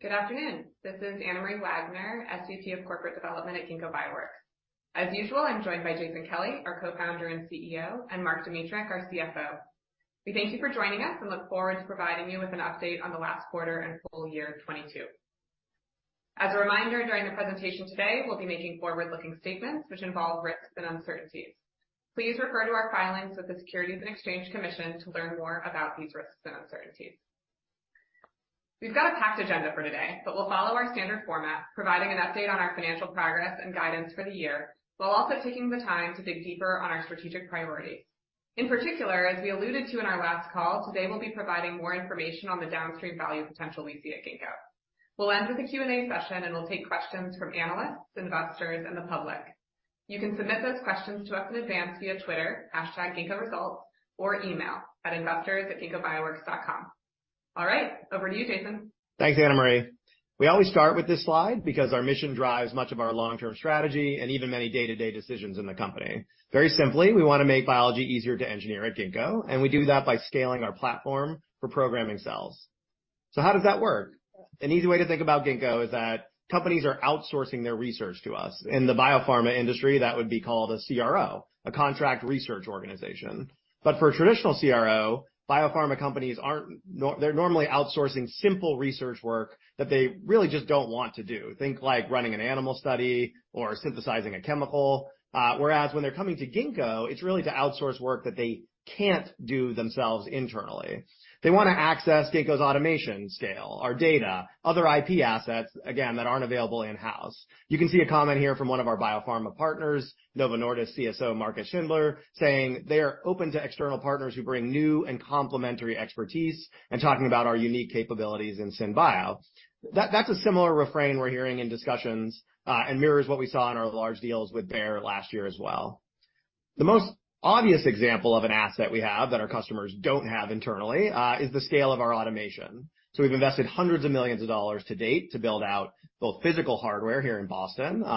Good afternoon. This is Anna Marie Wagner, SVP of Corporate Development at Ginkgo Bioworks. As usual, I'm joined by Jason Kelly, our co-founder and CEO, and Mark Dmytruk, our CFO. We thank you for joining us and look forward to providing you with an update on the last quarter and full year of 2022. As a reminder, during the presentation today, we'll be making forward-looking statements which involve risks and uncertainties. Please refer to our filings with the Securities and Exchange Commission to learn more about these risks and uncertainties. We've got a packed agenda for today, but we'll follow our standard format, providing an update on our financial progress and guidance for the year, while also taking the time to dig deeper on our strategic priorities. In particular, as we alluded to in our last call, today, we'll be providing more information on the downstream value potential we see at Ginkgo. We'll end with a Q&A session. We'll take questions from analysts, investors, and the public. You can submit those questions to us in advance via Twitter, hashtag Ginkgo results or email at investors@ginkgobioworks.com. All right, over to you, Jason. Thanks, Anna Marie. We always start with this slide because our mission drives much of our long-term strategy and even many day-to-day decisions in the company. Very simply, we wanna make biology easier to engineer at Ginkgo. We do that by scaling our platform for programming cells. How does that work? An easy way to think about Ginkgo is that companies are outsourcing their research to us. In the biopharma industry, that would be called a CRO, a contract research organization. For a traditional CRO, biopharma companies they're normally outsourcing simple research work that they really just don't want to do. Think like running an animal study or synthesizing a chemical. Whereas when they're coming to Ginkgo, it's really to outsource work that they can't do themselves internally. They wanna access Ginkgo's automation scale, our data, other IP assets, again, that aren't available in-house. You can see a comment here from one of our biopharma partners, Novo Nordisk CSO, Marcus Schindler, saying they are open to external partners who bring new and complementary expertise and talking about our unique capabilities in SynBio. That's a similar refrain we're hearing in discussions and mirrors what we saw in our large deals with Bayer last year as well. The most obvious example of an asset we have that our customers don't have internally is the scale of our automation. We've invested hundreds of millions of dollars to date to build out both physical hardware here in Boston, where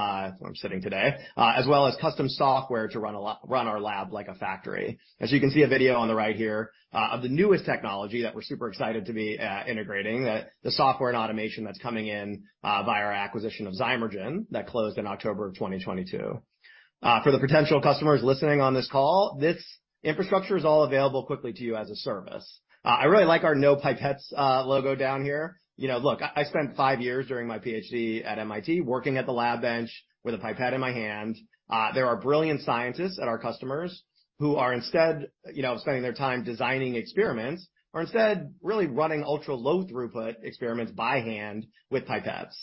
I'm sitting today, as well as custom software to run our lab like a factory. As you can see a video on the right here, of the newest technology that we're super excited to be integrating, the software and automation that's coming in via our acquisition of Zymergen that closed in October of 2022. For the potential customers listening on this call, this infrastructure is all available quickly to you as a service. I really like our no pipettes logo down here. You know, look, I spent five years during my PhD at MIT working at the lab bench with a pipette in my hand. There are brilliant scientists at our customers who are instead, you know, spending their time designing experiments are instead really running ultra-low throughput experiments by hand with pipettes.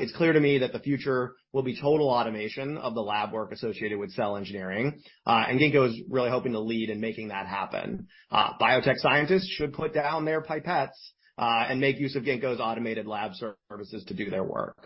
It's clear to me that the future will be total automation of the lab work associated with cell engineering, and Ginkgo is really hoping to lead in making that happen. Biotech scientists should put down their pipettes and make use of Ginkgo's automated lab services to do their work.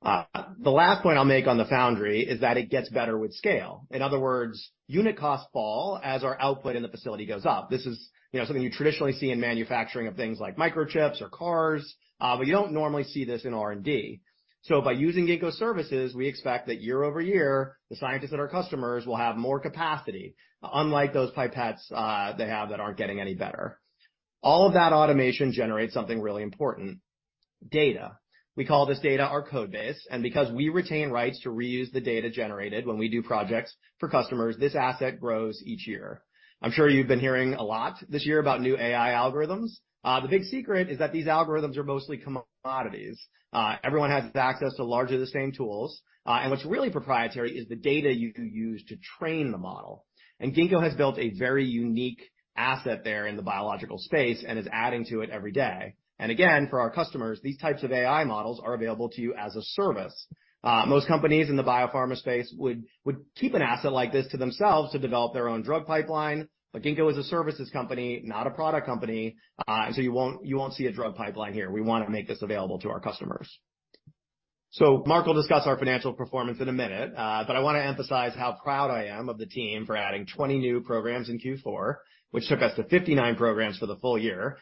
The last point I'll make on the foundry is that it gets better with scale. In other words, unit costs fall as our output in the facility goes up. This is, you know, something you traditionally see in manufacturing of things like microchips or cars, but you don't normally see this in R&D. By using Ginkgo services, we expect that year over year, the scientists at our customers will have more capacity, unlike those pipettes, they have that aren't getting any better. All of that automation generates something really important, data. We call this data our Codebase, and because we retain rights to reuse the data generated when we do projects for customers, this asset grows each year. I'm sure you've been hearing a lot this year about new AI algorithms. The big secret is that these algorithms are mostly commodities. Everyone has access to largely the same tools, and what's really proprietary is the data you use to train the model. Ginkgo has built a very unique asset there in the biological space and is adding to it every day. Again, for our customers, these types of AI models are available to you as a service. Most companies in the biopharma space would keep an asset like this to themselves to develop their own drug pipeline. Ginkgo is a services company, not a product company, and so you won't, you won't see a drug pipeline here. We wanna make this available to our customers. Mark will discuss our financial performance in a minute, but I wanna emphasize how proud I am of the team for adding 20 new programs in Q4, which took us to 59 programs for the full year,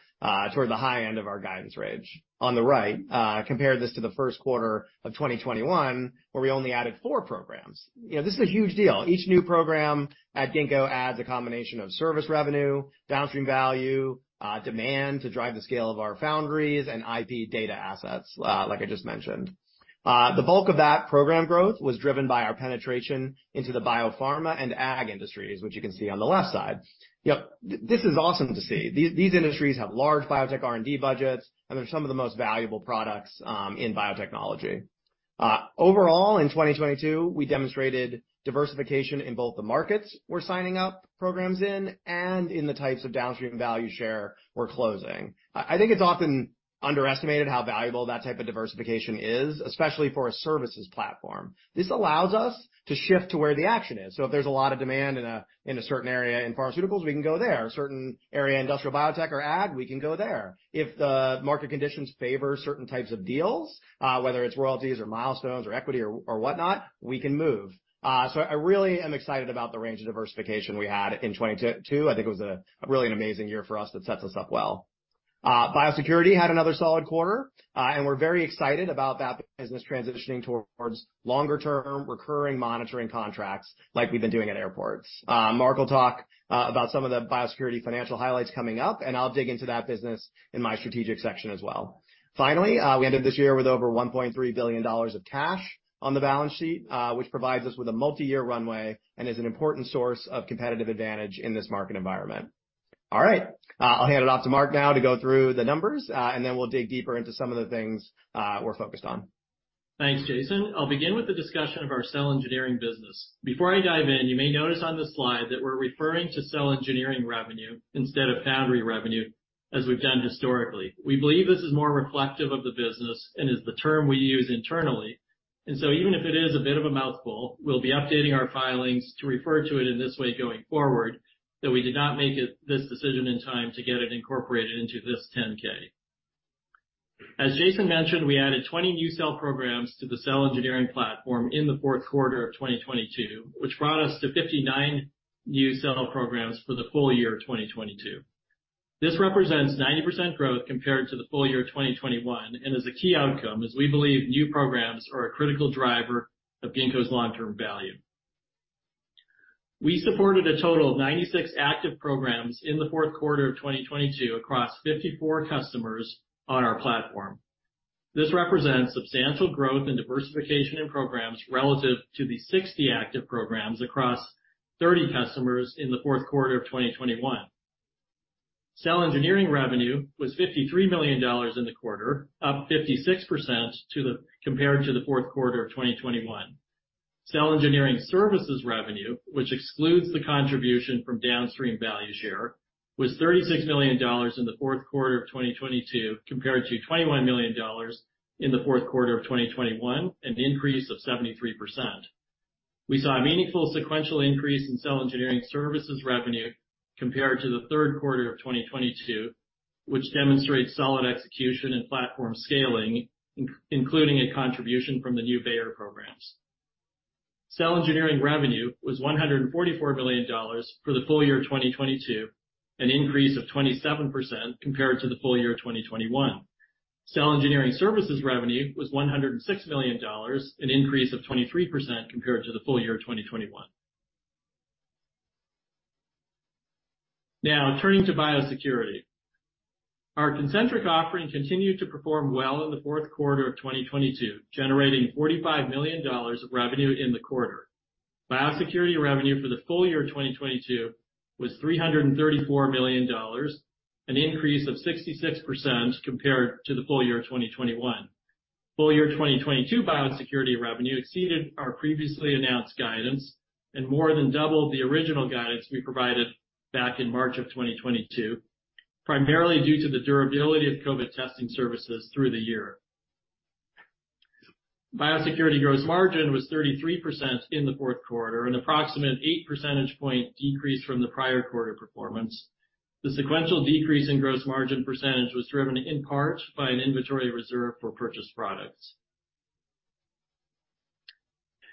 toward the high end of our guidance range. On the right, compare this to the Q1 of 2021, where we only added 4 programs. You know, this is a huge deal. Each new program at Ginkgo adds a combination of service revenue, downstream value, demand to drive the scale of our foundries and IP data assets, like I just mentioned. The bulk of that program growth was driven by our penetration into the biopharma and ag industries, which you can see on the left side. Yep, this is awesome to see. These industries have large biotech R&D budgets, and they're some of the most valuable products in biotechnology. Overall, in 2022, we demonstrated diversification in both the markets we're signing up programs in and in the types of downstream value share we're closing. I think it's often underestimated how valuable that type of diversification is, especially for a services platform. This allows us to shift to where the action is. If there's a lot of demand in a certain area in pharmaceuticals, we can go there. A certain area in industrial biotech or ag, we can go there. If the market conditions favor certain types of deals, whether it's royalties or milestones or equity or whatnot, we can move. I really am excited about the range of diversification we had in 2022. I think it was a really an amazing year for us that sets us up well. Biosecurity had another solid quarter, and we're very excited about that business transitioning towards longer-term recurring monitoring contracts like we've been doing at airports. Mark will talk about some of the biosecurity financial highlights coming up, and I'll dig into that business in my strategic section as well. We ended this year with over $1.3 billion of cash on the balance sheet, which provides us with a multi-year runway and is an important source of competitive advantage in this market environment. All right, I'll hand it off to Mark now to go through the numbers. We'll dig deeper into some of the things we're focused on. Thanks, Jason. I'll begin with the discussion of our cell engineering business. Before I dive in, you may notice on the slide that we're referring to cell engineering revenue instead of Foundry revenue, as we've done historically. We believe this is more reflective of the business and is the term we use internally. Even if it is a bit of a mouthful, we'll be updating our filings to refer to it in this way going forward, though we did not make this decision in time to get it incorporated into this 10-K. As Jason mentioned, we added 20 new cell programs to the cell engineering platform in the Q4 of 2022, which brought us to 59 new cell programs for the full year of 2022. This represents 90% growth compared to the full year of 2021 and is a key outcome as we believe new programs are a critical driver of Ginkgo's long-term value. We supported a total of 96 active programs in the Q4 of 2022 across 54 customers on our platform. This represents substantial growth and diversification in programs relative to the 60 active programs across 30 customers in the Q4 of 2021. Cell engineering revenue was $53 million in the quarter, up 56% compared to the Q4 of 2021. Cell engineering services revenue, which excludes the contribution from downstream value share, was $36 million in the Q4 of 2022 compared to $21 million in the Q4 of 2021, an increase of 73%. We saw a meaningful sequential increase in cell engineering services revenue compared to the Q3 of 2022, which demonstrates solid execution and platform scaling, including a contribution from the new Bayer programs. Cell engineering revenue was $144 million for the full year of 2022, an increase of 27% compared to the full year of 2021. Cell engineering services revenue was $106 million, an increase of 23% compared to the full year of 2021. Turning to biosecurity. Our Concentric offering continued to perform well in the Q4 of 2022, generating $45 million of revenue in the quarter. Biosecurity revenue for the full year of 2022 was $334 million, an increase of 66% compared to the full year of 2021. Full year of 2022 biosecurity revenue exceeded our previously announced guidance and more than doubled the original guidance we provided back in March 2022, primarily due to the durability of COVID testing services through the year. Biosecurity gross margin was 33% in the Q4, an approximate 8 percentage point decrease from the prior quarter performance. The sequential decrease in gross margin percentage was driven in part by an inventory reserve for purchased products.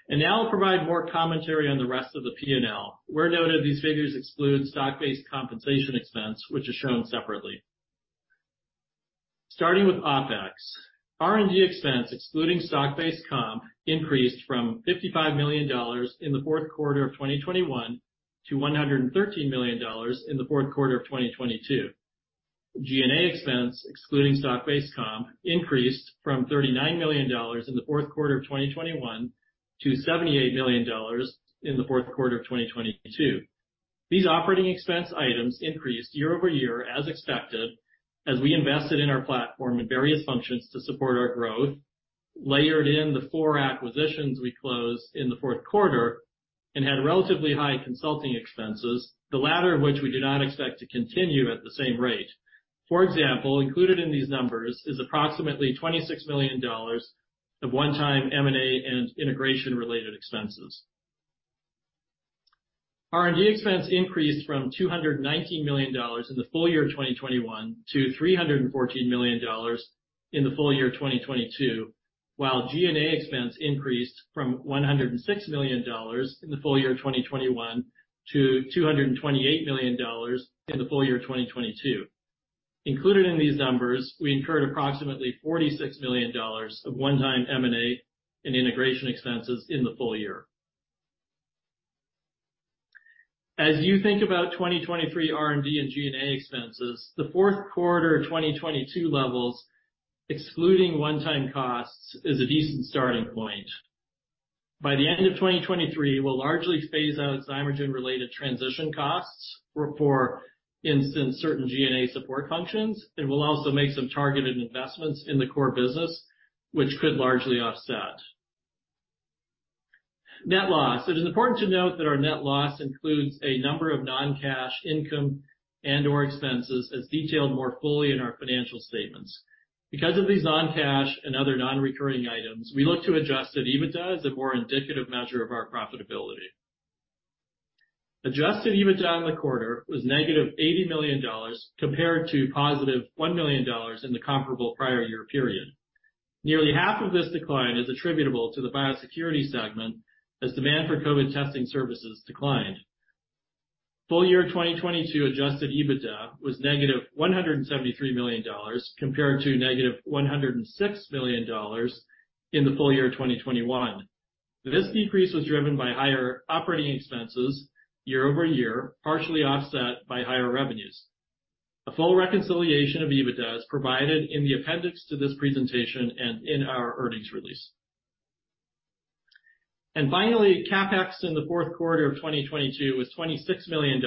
Now I'll provide more commentary on the rest of the P&L. Where noted, these figures exclude stock-based compensation expense, which is shown separately. Starting with OpEx, R&D expense excluding stock-based comp increased from $55 million in the Q4 of 2021 to $113 million in the Q4 of 2022. G&A expense excluding stock-based comp increased from $39 million in the Q4 of 2021 to $78 million in the Q4 of 2022. These operating expense items increased year-over-year as expected as we invested in our platform and various functions to support our growth, layered in the 4 acquisitions we closed in the Q4, and had relatively high consulting expenses, the latter of which we do not expect to continue at the same rate. For example, included in these numbers is approximately $26 million of one-time M&A and integration-related expenses. R&D expense increased from $219 million in the full year of 2021 to $314 million in the full year of 2022, while G&A expense increased from $106 million in the full year of 2021 to $228 million in the full year of 2022. Included in these numbers, we incurred approximately $46 million of one-time M&A and integration expenses in the full year. As you think about 2023 R&D and G&A expenses, the Q4 of 2022 levels, excluding one-time costs, is a decent starting point. By the end of 2023, we'll largely phase out Zymergen-related transition costs for instance, certain G&A support functions, and we'll also make some targeted investments in the core business which could largely offset. Net loss. It is important to note that our net loss includes a number of non-cash income and/or expenses as detailed more fully in our financial statements. Because of these non-cash and other non-recurring items, we look to adjusted EBITDA as a more indicative measure of our profitability. Adjusted EBITDA in the quarter was negative $80 million compared to positive $1 million in the comparable prior year period. Nearly half of this decline is attributable to the biosecurity segment as demand for COVID testing services declined. Full year 2022 adjusted EBITDA was negative $173 million compared to negative $106 million in the full year 2021. This decrease was driven by higher operating expenses year-over-year, partially offset by higher revenues. A full reconciliation of EBITDA is provided in the appendix to this presentation and in our earnings release. Finally, CapEx in the Q4 of 2022 was $26 million,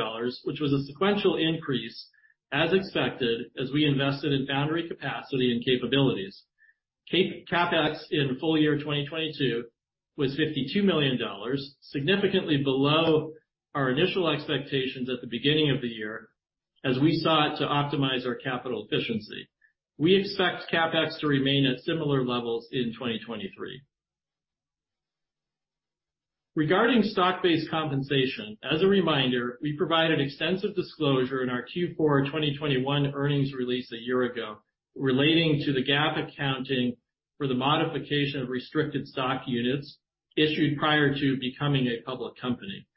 which was a sequential increase as expected, as we invested in foundry capacity and capabilities. CapEx in full year 2022 was $52 million, significantly below our initial expectations at the beginning of the year as we sought to optimize our capital efficiency. We expect CapEx to remain at similar levels in 2023. Regarding stock-based compensation, as a reminder, we provided extensive disclosure in our Q4 2021 earnings release a year ago relating to the GAAP accounting for the modification of restricted stock units issued prior to becoming a public company.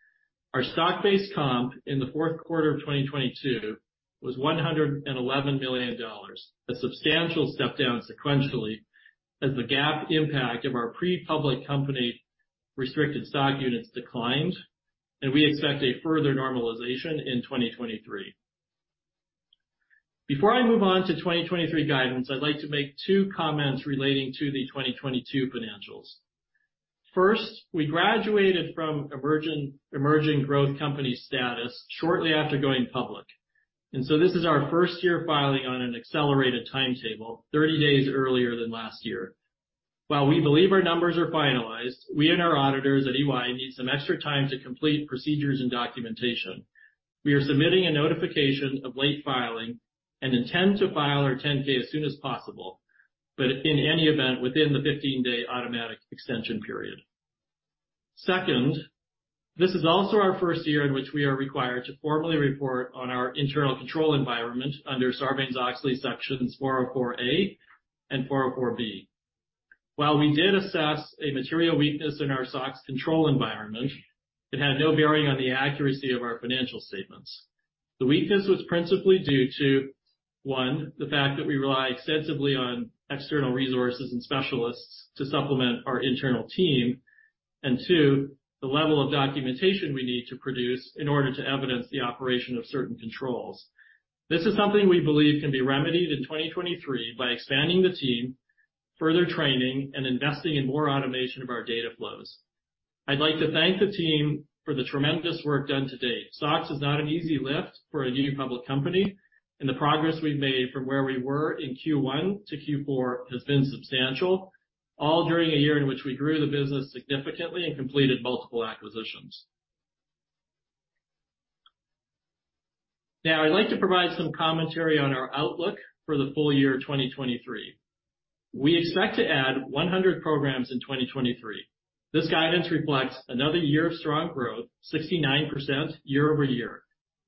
Our stock-based comp in the Q4 of 2022 was $111 million, a substantial step down sequentially as the GAAP impact of our pre-public company restricted stock units declined, and we expect a further normalization in 2023. Before I move on to 2023 guidance, I'd like to make two comments relating to the 2022 financials. First, we graduated from emerging growth company status shortly after going public, this is our first-year filing on an accelerated timetable, 30 days earlier than last year. While we believe our numbers are finalized, we and our auditors at EY need some extra time to complete procedures and documentation. We are submitting a notification of late filing and intend to file our 10-K as soon as possible, but in any event, within the 15-day automatic extension period. Second, this is also our first year in which we are required to formally report on our internal control environment under Sarbanes-Oxley Sections 404(a) and 404(b). While we did assess a material weakness in our SOX control environment, it had no bearing on the accuracy of our financial statements. The weakness was principally due to, 1, the fact that we rely extensively on external resources and specialists to supplement our internal team. 2, the level of documentation we need to produce in order to evidence the operation of certain controls. This is something we believe can be remedied in 2023 by expanding the team, further training, and investing in more automation of our data flows. I'd like to thank the team for the tremendous work done to date. SOX is not an easy lift for a new public company. The progress we've made from where we were in Q1 to Q4 has been substantial. All during a year in which we grew the business significantly and completed multiple acquisitions. Now, I'd like to provide some commentary on our outlook for the full year 2023. We expect to add 100 programs in 2023. This guidance reflects another year of strong growth, 69% year-over-year.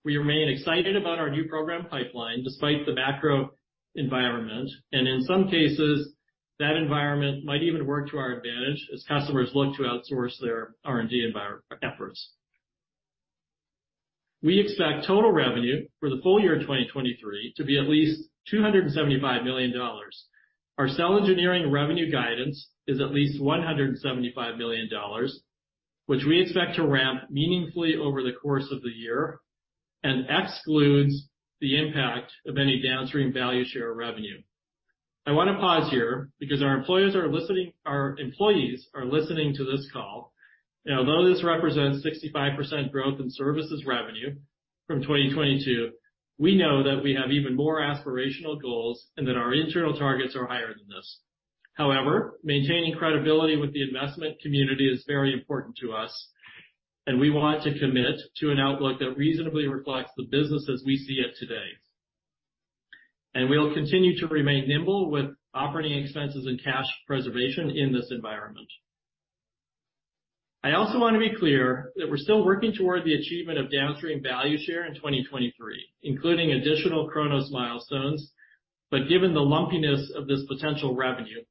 We remain excited about our new program pipeline despite the macro environment, and in some cases, that environment might even work to our advantage as customers look to outsource their R&D efforts. We expect total revenue for the full year 2023 to be at least $275 million. Our cell engineering revenue guidance is at least $175 million, which we expect to ramp meaningfully over the course of the year and excludes the impact of any downstream value share revenue. I want to pause here because our employees are listening to this call. Although this represents 65% growth in services revenue from 2022, we know that we have even more aspirational goals and that our internal targets are higher than this. However, maintaining credibility with the investment community is very important to us, and we want to commit to an outlook that reasonably reflects the business as we see it today. We'll continue to remain nimble with operating expenses and cash preservation in this environment. I also want to be clear that we're still working toward the achievement of downstream value share in 2023, including additional Cronos milestones. Given the lumpiness of this potential revenue,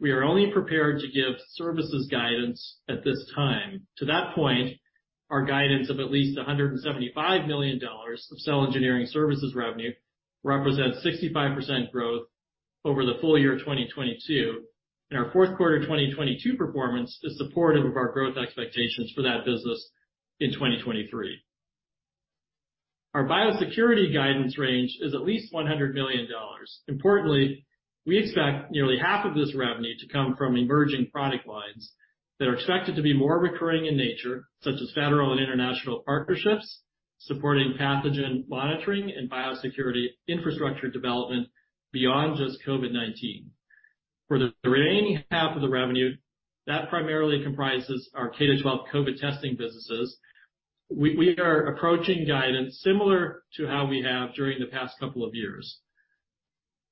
we are only prepared to give services guidance at this time. To that point, our guidance of at least $175 million of cell engineering services revenue represents 65% growth over the full year of 2022, and our Q4 2022 performance is supportive of our growth expectations for that business in 2023. Our biosecurity guidance range is at least $100 million. Importantly, we expect nearly half of this revenue to come from emerging product lines that are expected to be more recurring in nature, such as federal and international partnerships, supporting pathogen monitoring and biosecurity infrastructure development beyond just COVID-19. For the remaining half of the revenue, that primarily comprises our K-12 COVID testing businesses. We are approaching guidance similar to how we have during the past couple of years.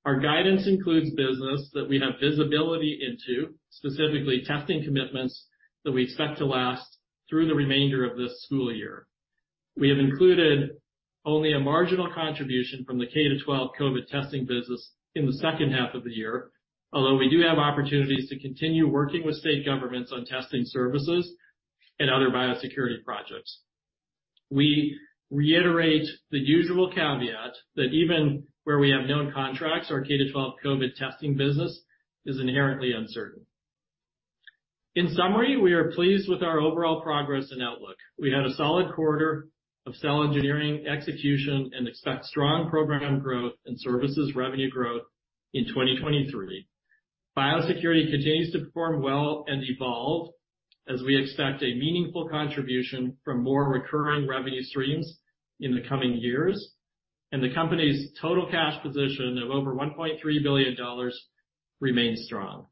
Our guidance includes business that we have visibility into, specifically testing commitments that we expect to last through the remainder of this school year. We have included only a marginal contribution from the K-12 COVID testing business in the H2 of the year. Although we do have opportunities to continue working with state governments on testing services and other biosecurity projects. We reiterate the usual caveat that even where we have known contracts, our K-12 COVID testing business is inherently uncertain. In summary, we are pleased with our overall progress and outlook. We had a solid quarter of cell engineering execution and expect strong program growth and services revenue growth in 2023. Biosecurity continues to perform well and evolve as we expect a meaningful contribution from more recurring revenue streams in the coming years, and the company's total cash position of over $1.3 billion remains strong.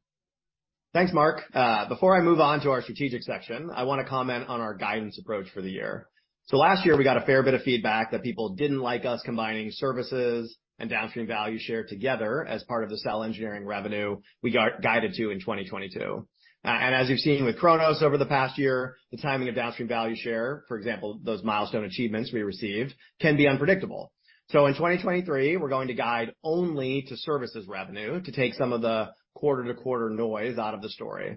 Thanks, Mark. Before I move on to our strategic section, I wanna comment on our guidance approach for the year. Last year we got a fair bit of feedback that people didn't like us combining services and downstream value share together as part of the cell engineering revenue we are guided to in 2022. As you've seen with Cronos over the past year, the timing of downstream value share, for example, those milestone achievements we received, can be unpredictable. In 2023, we're going to guide only to services revenue to take some of the quarter-to-quarter noise out of the story.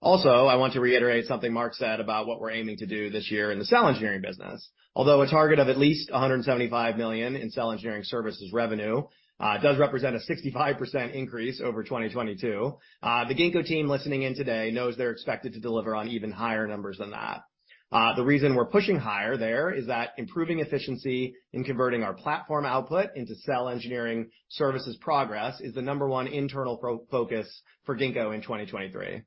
Also, I want to reiterate something Mark said about what we're aiming to do this year in the cell engineering business. Although a target of at least $175 million in cell engineering services revenue does represent a 65% increase over 2022. The Ginkgo team listening in today knows they're expected to deliver on even higher numbers than that. The reason we're pushing higher there is that improving efficiency in converting our platform output into cell engineering services progress is the number one internal focus for Ginkgo in 2023.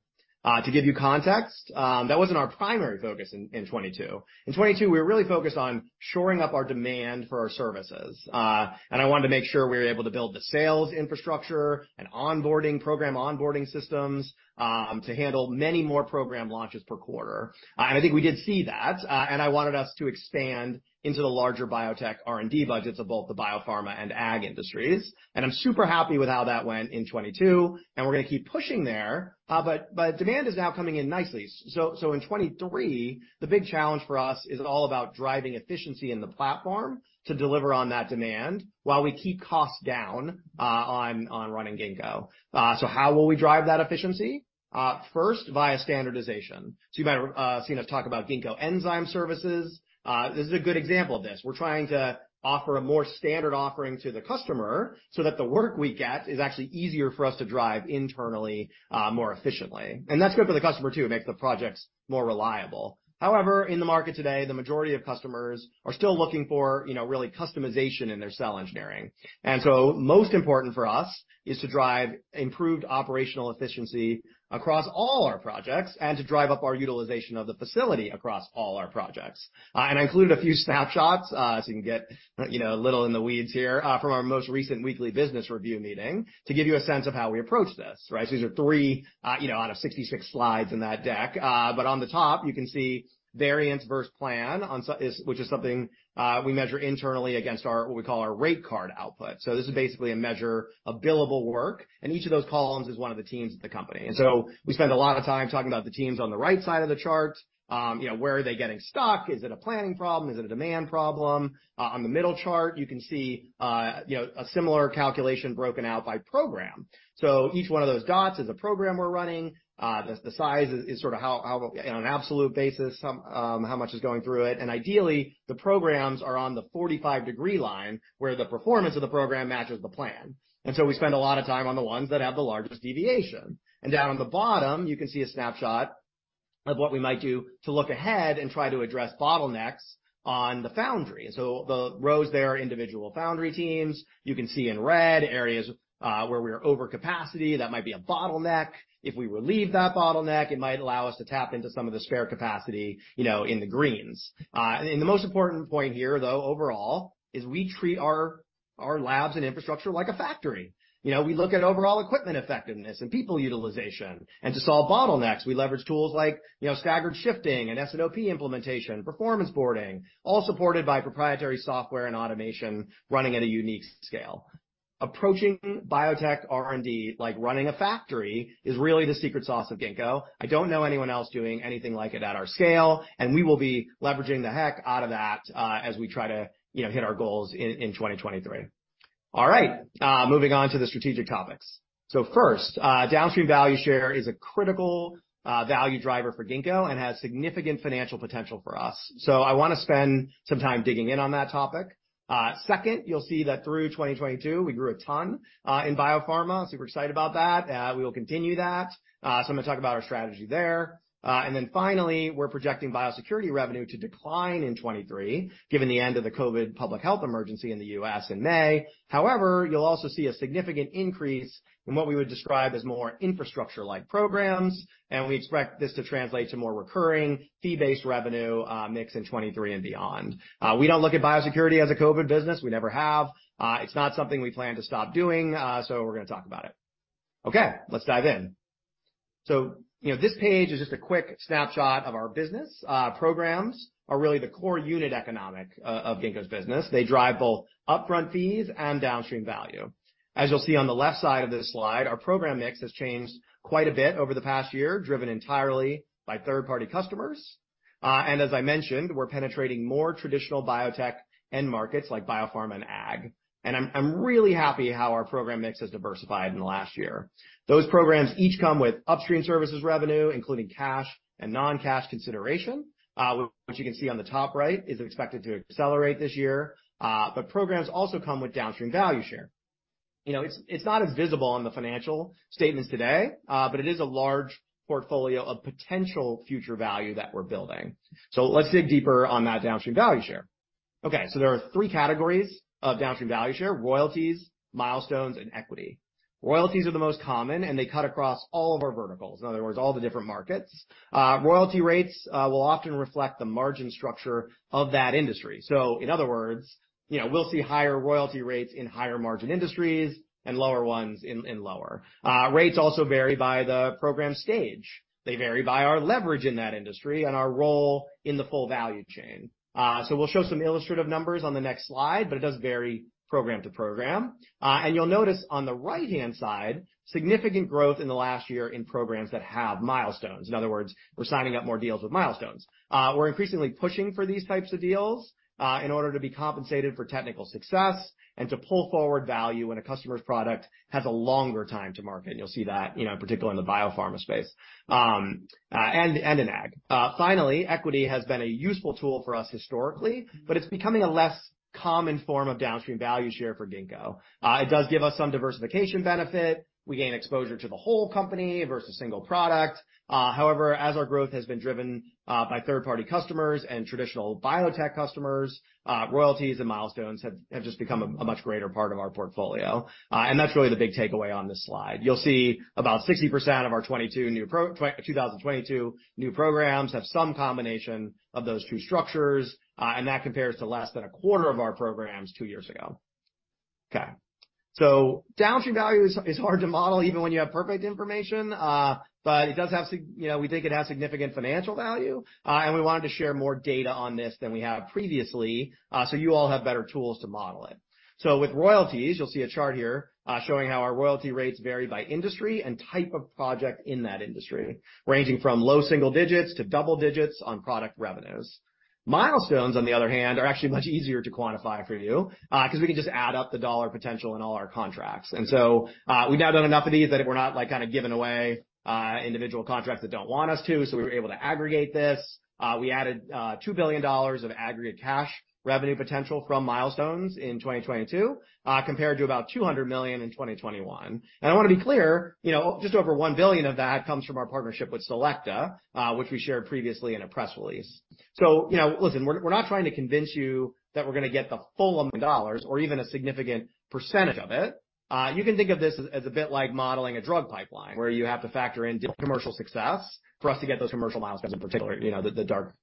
To give you context, that wasn't our primary focus in 2022. In 2022, we were really focused on shoring up our demand for our services. I wanted to make sure we were able to build the sales infrastructure and onboarding program, onboarding systems, to handle many more program launches per quarter. I think we did see that, and I wanted us to expand into the larger biotech R&D budgets of both the biopharma and ag industries. I'm super happy with how that went in 2022, and we're gonna keep pushing there. Demand is now coming in nicely. In 2023, the big challenge for us is all about driving efficiency in the platform to deliver on that demand while we keep costs down on running Ginkgo. How will we drive that efficiency? First, via standardization. You might have seen us talk about Ginkgo Enzyme Services. This is a good example of this. We're trying to offer a more standard offering to the customer so that the work we get is actually easier for us to drive internally, more efficiently. That's good for the customer too, it makes the projects more reliable. However, in the market today, the majority of customers are still looking for, you know, really customization in their cell engineering. Most important for us is to drive improved operational efficiency across all our projects and to drive up our utilization of the facility across all our projects. I included a few snapshots, so you can get, you know, a little in the weeds here, from our most recent weekly business review meeting to give you a sense of how we approach this, right? These are 3, you know, out of 66 slides in that deck. On the top you can see variance versus plan on which is something, we measure internally against our, what we call our rate card output. This is basically a measure of billable work, and each of those columns is one of the teams at the company. We spend a lot of time talking about the teams on the right side of the chart. you know, where are they getting stuck? Is it a planning problem? Is it a demand problem? On the middle chart, you can see, you know, a similar calculation broken out by program. Each one of those dots is a program we're running. The size is sort of how, on an absolute basis, how much is going through it. Ideally, the programs are on the 45-degree line where the performance of the program matches the plan. We spend a lot of time on the ones that have the largest deviation. Down on the bottom, you can see a snapshot of what we might do to look ahead and try to address bottlenecks on the Foundry. The rows there are individual Foundry teams. You can see in red areas, where we are over capacity, that might be a bottleneck. If we relieve that bottleneck, it might allow us to tap into some of the spare capacity, you know, in the greens. The most important point here, though, overall, is we treat our labs and infrastructure like a factory. You know, we look at Overall Equipment Effectiveness and people utilization. To solve bottlenecks, we leverage tools like, you know, staggered shifting and S&OP implementation, performance boarding, all supported by proprietary software and automation running at a unique scale. Approaching biotech R&D like running a factory is really the secret sauce of Ginkgo. I don't know anyone else doing anything like it at our scale, and we will be leveraging the heck out of that, as we try to, you know, hit our goals in 2023. Moving on to the strategic topics. First, downstream value share is a critical value driver for Ginkgo and has significant financial potential for us. I wanna spend some time digging in on that topic. Second, you'll see that through 2022, we grew a ton in biopharma. Super excited about that. We will continue that. I'm gonna talk about our strategy there. Finally, we're projecting biosecurity revenue to decline in 2023, given the end of the COVID public health emergency in the U.S. in May. However, you'll also see a significant increase in what we would describe as more infrastructure-like programs, and we expect this to translate to more recurring fee-based revenue, mix in 23 and beyond. We don't look at biosecurity as a COVID business. We never have. It's not something we plan to stop doing, so we're gonna talk about it. Okay, let's dive in. You know, this page is just a quick snapshot of our business. Programs are really the core unit economic of Ginkgo's business. They drive both upfront fees and downstream value. As you'll see on the left side of this slide, our program mix has changed quite a bit over the past year, driven entirely by third-party customers. As I mentioned, we're penetrating more traditional biotech end markets like biopharma and ag, and I'm really happy how our program mix has diversified in the last year. Those programs each come with upstream services revenue, including cash and non-cash consideration, which you can see on the top right is expected to accelerate this year. Programs also come with downstream value share. You know, it's not as visible on the financial statements today, but it is a large portfolio of potential future value that we're building. Let's dig deeper on that downstream value share. There are three categories of downstream value share, royalties, milestones, and equity. Royalties are the most common, they cut across all of our verticals, in other words, all the different markets. Royalty rates will often reflect the margin structure of that industry. In other words, you know, we'll see higher royalty rates in higher margin industries and lower ones in lower. Rates also vary by the program stage. They vary by our leverage in that industry and our role in the full value chain. We'll show some illustrative numbers on the next slide, but it does vary program to program. You'll notice on the right-hand side, significant growth in the last year in programs that have milestones. In other words, we're signing up more deals with milestones. We're increasingly pushing for these types of deals, in order to be compensated for technical success and to pull forward value when a customer's product has a longer time to market. You'll see that, you know, particularly in the biopharma space, and in ag. Finally, equity has been a useful tool for us historically, but it's becoming a less common form of downstream value share for Ginkgo. It does give us some diversification benefit. We gain exposure to the whole company versus single product. However, as our growth has been driven by third-party customers and traditional biotech customers, royalties and milestones have just become a much greater part of our portfolio. That's really the big takeaway on this slide. You'll see about 60% of our 2022 new programs have some combination of those two structures. That compares to less than a quarter of our programs two years ago. Okay, downstream value is hard to model even when you have perfect information, but it does have you know, we think it has significant financial value. We wanted to share more data on this than we have previously, you all have better tools to model it. With royalties, you'll see a chart here, showing how our royalty rates vary by industry and type of project in that industry, ranging from low single digits to double digits on product revenues. Milestones, on the other hand, are actually much easier to quantify for you, cause we can just add up the dollar potential in all our contracts. We've now done enough of these that we're not, like, kind of giving away individual contracts that don't want us to, so we were able to aggregate this. We added $2 billion of aggregate cash revenue potential from milestones in 2022, compared to about $200 million in 2021. I wanna be clear, you know, just over $1 billion of that comes from our partnership with Selecta, which we shared previously in a press release. You know, listen, we're not trying to convince you that we're gonna get the full $1 million or even a significant percentage of it. You can think of this as a bit like modeling a drug pipeline where you have to factor in commercial success for us to get those commercial milestones in particular, you know, the dark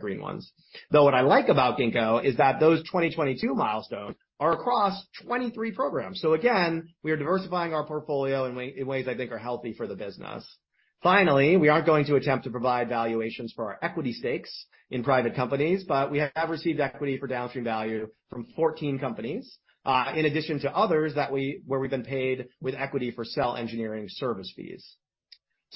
green ones. What I like about Ginkgo is that those 2022 milestones are across 23 programs. Again, we are diversifying our portfolio in ways I think are healthy for the business. Finally, we aren't going to attempt to provide valuations for our equity stakes in private companies, but we have received equity for downstream value from 14 companies, in addition to others where we've been paid with equity for cell engineering service fees.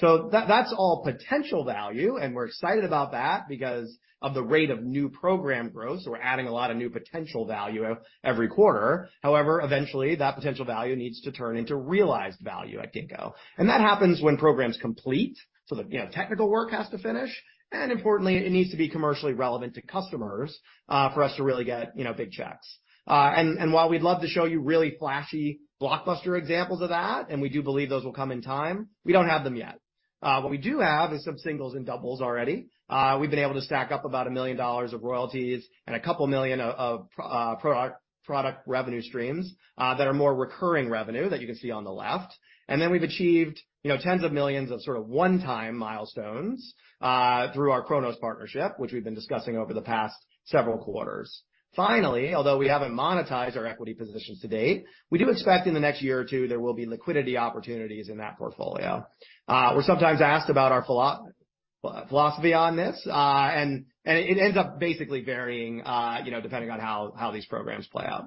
That's all potential value, and we're excited about that because of the rate of new program growth. We're adding a lot of new potential value every quarter. However, eventually that potential value needs to turn into realized value at Ginkgo. That happens when programs complete, so the, you know, technical work has to finish, and importantly, it needs to be commercially relevant to customers, for us to really get, you know, big checks. While we'd love to show you really flashy blockbuster examples of that, and we do believe those will come in time, we don't have them yet. What we do have is some singles and doubles already. We've been able to stack up about $1 million of royalties and a couple $million of product revenue streams that are more recurring revenue that you can see on the left. Then we've achieved, you know, tens of millions of sort of one-time milestones, through our Cronos partnership, which we've been discussing over the past several quarters. Although we haven't monetized our equity positions to date, we do expect in the next year or two there will be liquidity opportunities in that portfolio. We're sometimes asked about our philosophy on this, and it ends up basically varying, you know, depending on how these programs play out.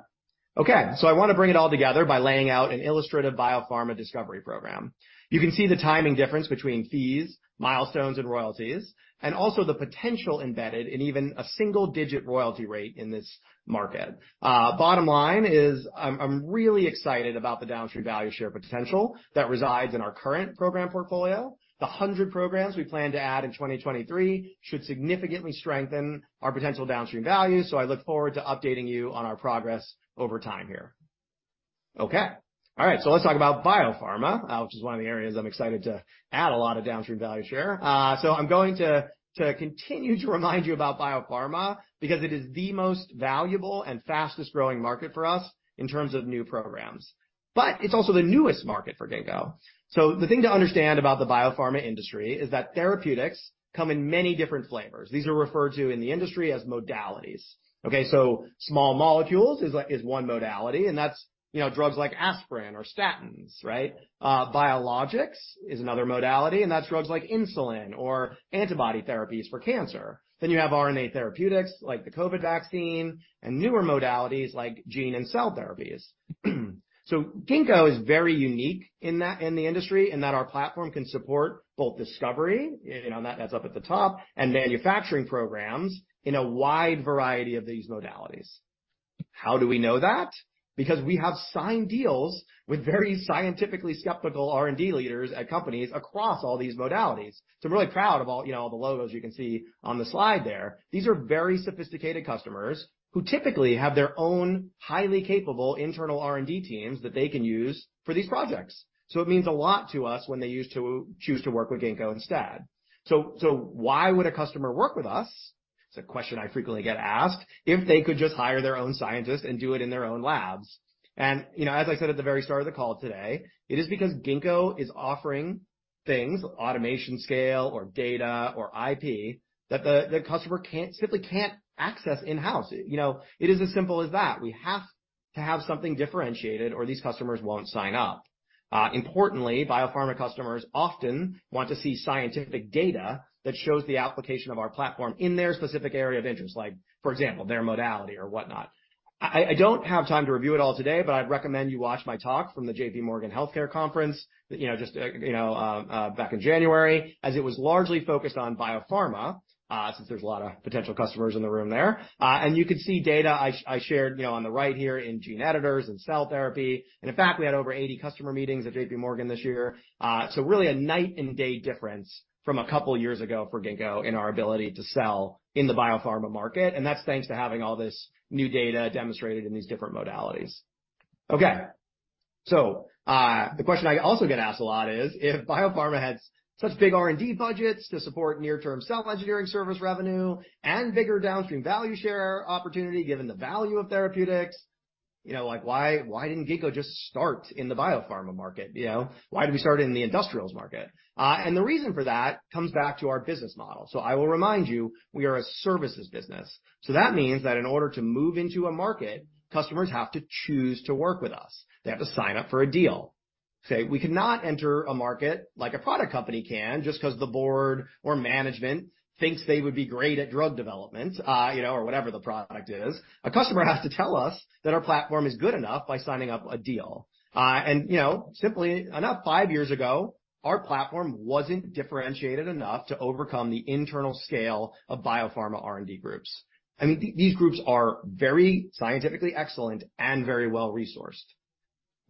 I wanna bring it all together by laying out an illustrative biopharma discovery program. You can see the timing difference between fees, milestones, and royalties, and also the potential embedded in even a single-digit royalty rate in this market. Bottom line is I'm really excited about the downstream value share potential that resides in our current program portfolio. The 100 programs we plan to add in 2023 should significantly strengthen our potential downstream value, I look forward to updating you on our progress over time here. Okay. All right. Let's talk about biopharma, which is one of the areas I'm excited to add a lot of downstream value share. I'm going to continue to remind you about biopharma because it is the most valuable and fastest-growing market for us in terms of new programs. It's also the newest market for Ginkgo. The thing to understand about the biopharma industry is that therapeutics come in many different flavors. These are referred to in the industry as modalities. Okay? Small molecules is one modality, and that's, you know, drugs like aspirin or statins, right? Biologics is another modality, and that's drugs like insulin or antibody therapies for cancer. You have RNA therapeutics like the COVID vaccine and newer modalities like gene and cell therapies. Ginkgo is very unique in the industry in that our platform can support both discovery, you know, and that adds up at the top, and manufacturing programs in a wide variety of these modalities. How do we know that? Because we have signed deals with very scientifically skeptical R&D leaders at companies across all these modalities. I'm really proud of all the logos you can see on the slide there. These are very sophisticated customers who typically have their own highly capable internal R&D teams that they can use for these projects. It means a lot to us when they choose to work with Ginkgo instead. Why would a customer work with us, it's a question I frequently get asked, if they could just hire their own scientists and do it in their own labs? You know, as I said at the very start of the call today, it is because Ginkgo is offering things, automation scale or data or IP, that the customer simply can't access in-house. You know, it is as simple as that. We have to have something differentiated or these customers won't sign up. Importantly, biopharma customers often want to see scientific data that shows the application of our platform in their specific area of interest, like, for example, their modality or whatnot. I don't have time to review it all today, but I'd recommend you watch my talk from the J.P. Morgan Healthcare Conference, you know, just, you know, back in January, as it was largely focused on biopharma, since there's a lot of potential customers in the room there. And you could see data I shared, you know, on the right here in gene editors and cell therapy. In fact, we had over 80 customer meetings at J.P. Morgan this year. Really a night and day difference from a couple years ago for Ginkgo in our ability to sell in the biopharma market, and that's thanks to having all this new data demonstrated in these different modalities. Okay. The question I also get asked a lot is, if biopharma has such big R&D budgets to support near-term cell engineering service revenue and bigger downstream value share opportunity, given the value of therapeutics, you know, like why didn't Ginkgo just start in the biopharma market, you know? Why did we start in the industrials market? And the reason for that comes back to our business model. I will remind you, we are a services business. That means that in order to move into a market, customers have to choose to work with us. They have to sign up for a deal. Okay. We cannot enter a market like a product company can just cause the board or management thinks they would be great at drug development, you know, or whatever the product is. A customer has to tell us that our platform is good enough by signing up a deal. You know, simply enough, five years ago, our platform wasn't differentiated enough to overcome the internal scale of biopharma R&D groups. I mean, these groups are very scientifically excellent and very well-resourced.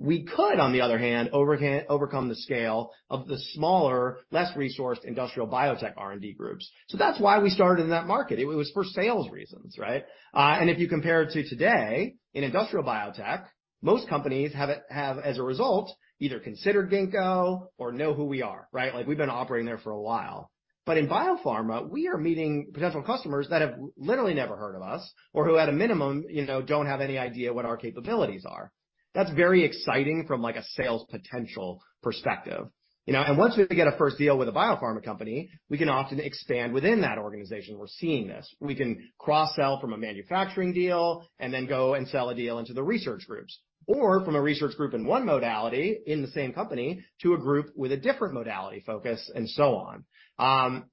We could, on the other hand, overcome the scale of the smaller, less-resourced industrial biotech R&D groups. That's why we started in that market. It was for sales reasons, right? If you compare it to today, in industrial biotech, most companies have, as a result, either considered Ginkgo or know who we are, right? We've been operating there for a while. In biopharma, we are meeting potential customers that have literally never heard of us or who, at a minimum, don't have any idea what our capabilities are. That's very exciting from, like, a sales potential perspective, you know? Once we get a first deal with a biopharma company, we can often expand within that organization. We're seeing this. We can cross-sell from a manufacturing deal and then go and sell a deal into the research groups or from a research group in one modality in the same company to a group with a different modality focus and so on.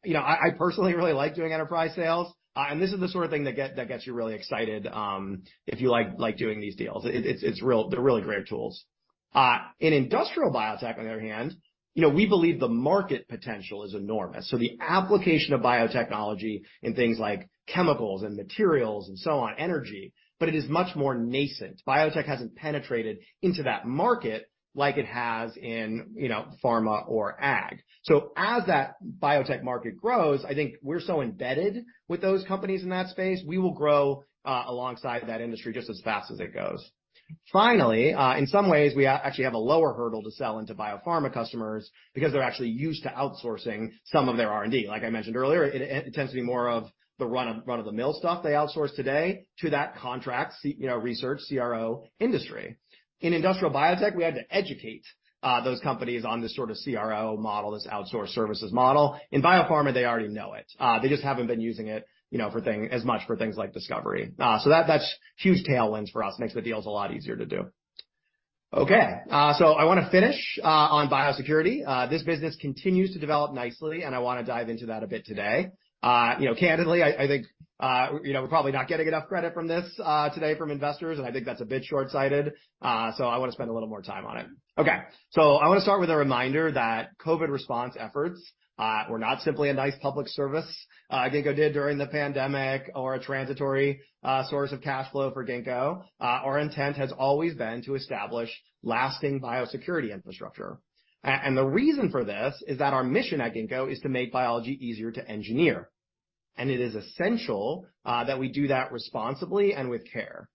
You know, I personally really like doing enterprise sales, and this is the sort of thing that gets you really excited, if you like doing these deals. They're really great tools. In industrial biotech, on the other hand, you know, we believe the market potential is enormous. The application of biotechnology in things like chemicals and materials and so on, energy, it is much more nascent. Biotech hasn't penetrated into that market like it has in, you know, pharma or ag. As that biotech market grows, I think we're so embedded with those companies in that space, we will grow alongside that industry just as fast as it goes. Finally, in some ways, we actually have a lower hurdle to sell into biopharma customers because they're actually used to outsourcing some of their R&D. Like I mentioned earlier, it tends to be more of the run-of-the-mill stuff they outsource today to that contract you know, research CRO industry. In industrial biotech, we had to educate those companies on this sort of CRO model, this outsourced services model. In biopharma, they already know it. They just haven't been using it, you know, as much for things like discovery. That's huge tailwinds for us. Makes the deals a lot easier to do. Okay. I wanna finish on biosecurity. This business continues to develop nicely, and I wanna dive into that a bit today. You know, candidly, I think, you know, we're probably not getting enough credit from this today from investors, and I think that's a bit shortsighted, I wanna spend a little more time on it. Okay. I wanna start with a reminder that COVID response efforts were not simply a nice public service Ginkgo did during the pandemic or a transitory source of cash flow for Ginkgo. Our intent has always been to establish lasting biosecurity infrastructure. The reason for this is that our mission at Ginkgo is to make biology easier to engineer, and it is essential that we do that responsibly and with care.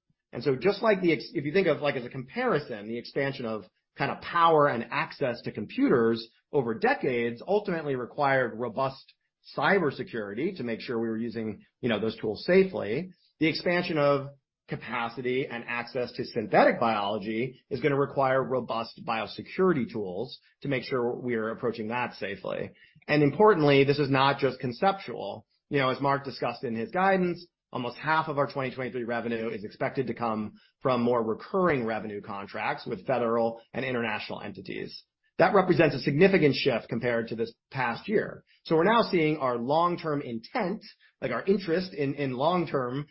Just like if you think of, like, as a comparison, the expansion of kind a power and access to computers over decades ultimately required robust cybersecurity to make sure we were using, you know, those tools safely, the expansion of capacity and access to synthetic biology is gonna require robust biosecurity tools to make sure we're approaching that safely. Importantly, this is not just conceptual. You know, as Mark discussed in his guidance, almost half of our 2023 revenue is expected to come from more recurring revenue contracts with federal and international entities. That represents a significant shift compared to this past year. We're now seeing our long-term intent, like our interest in long-term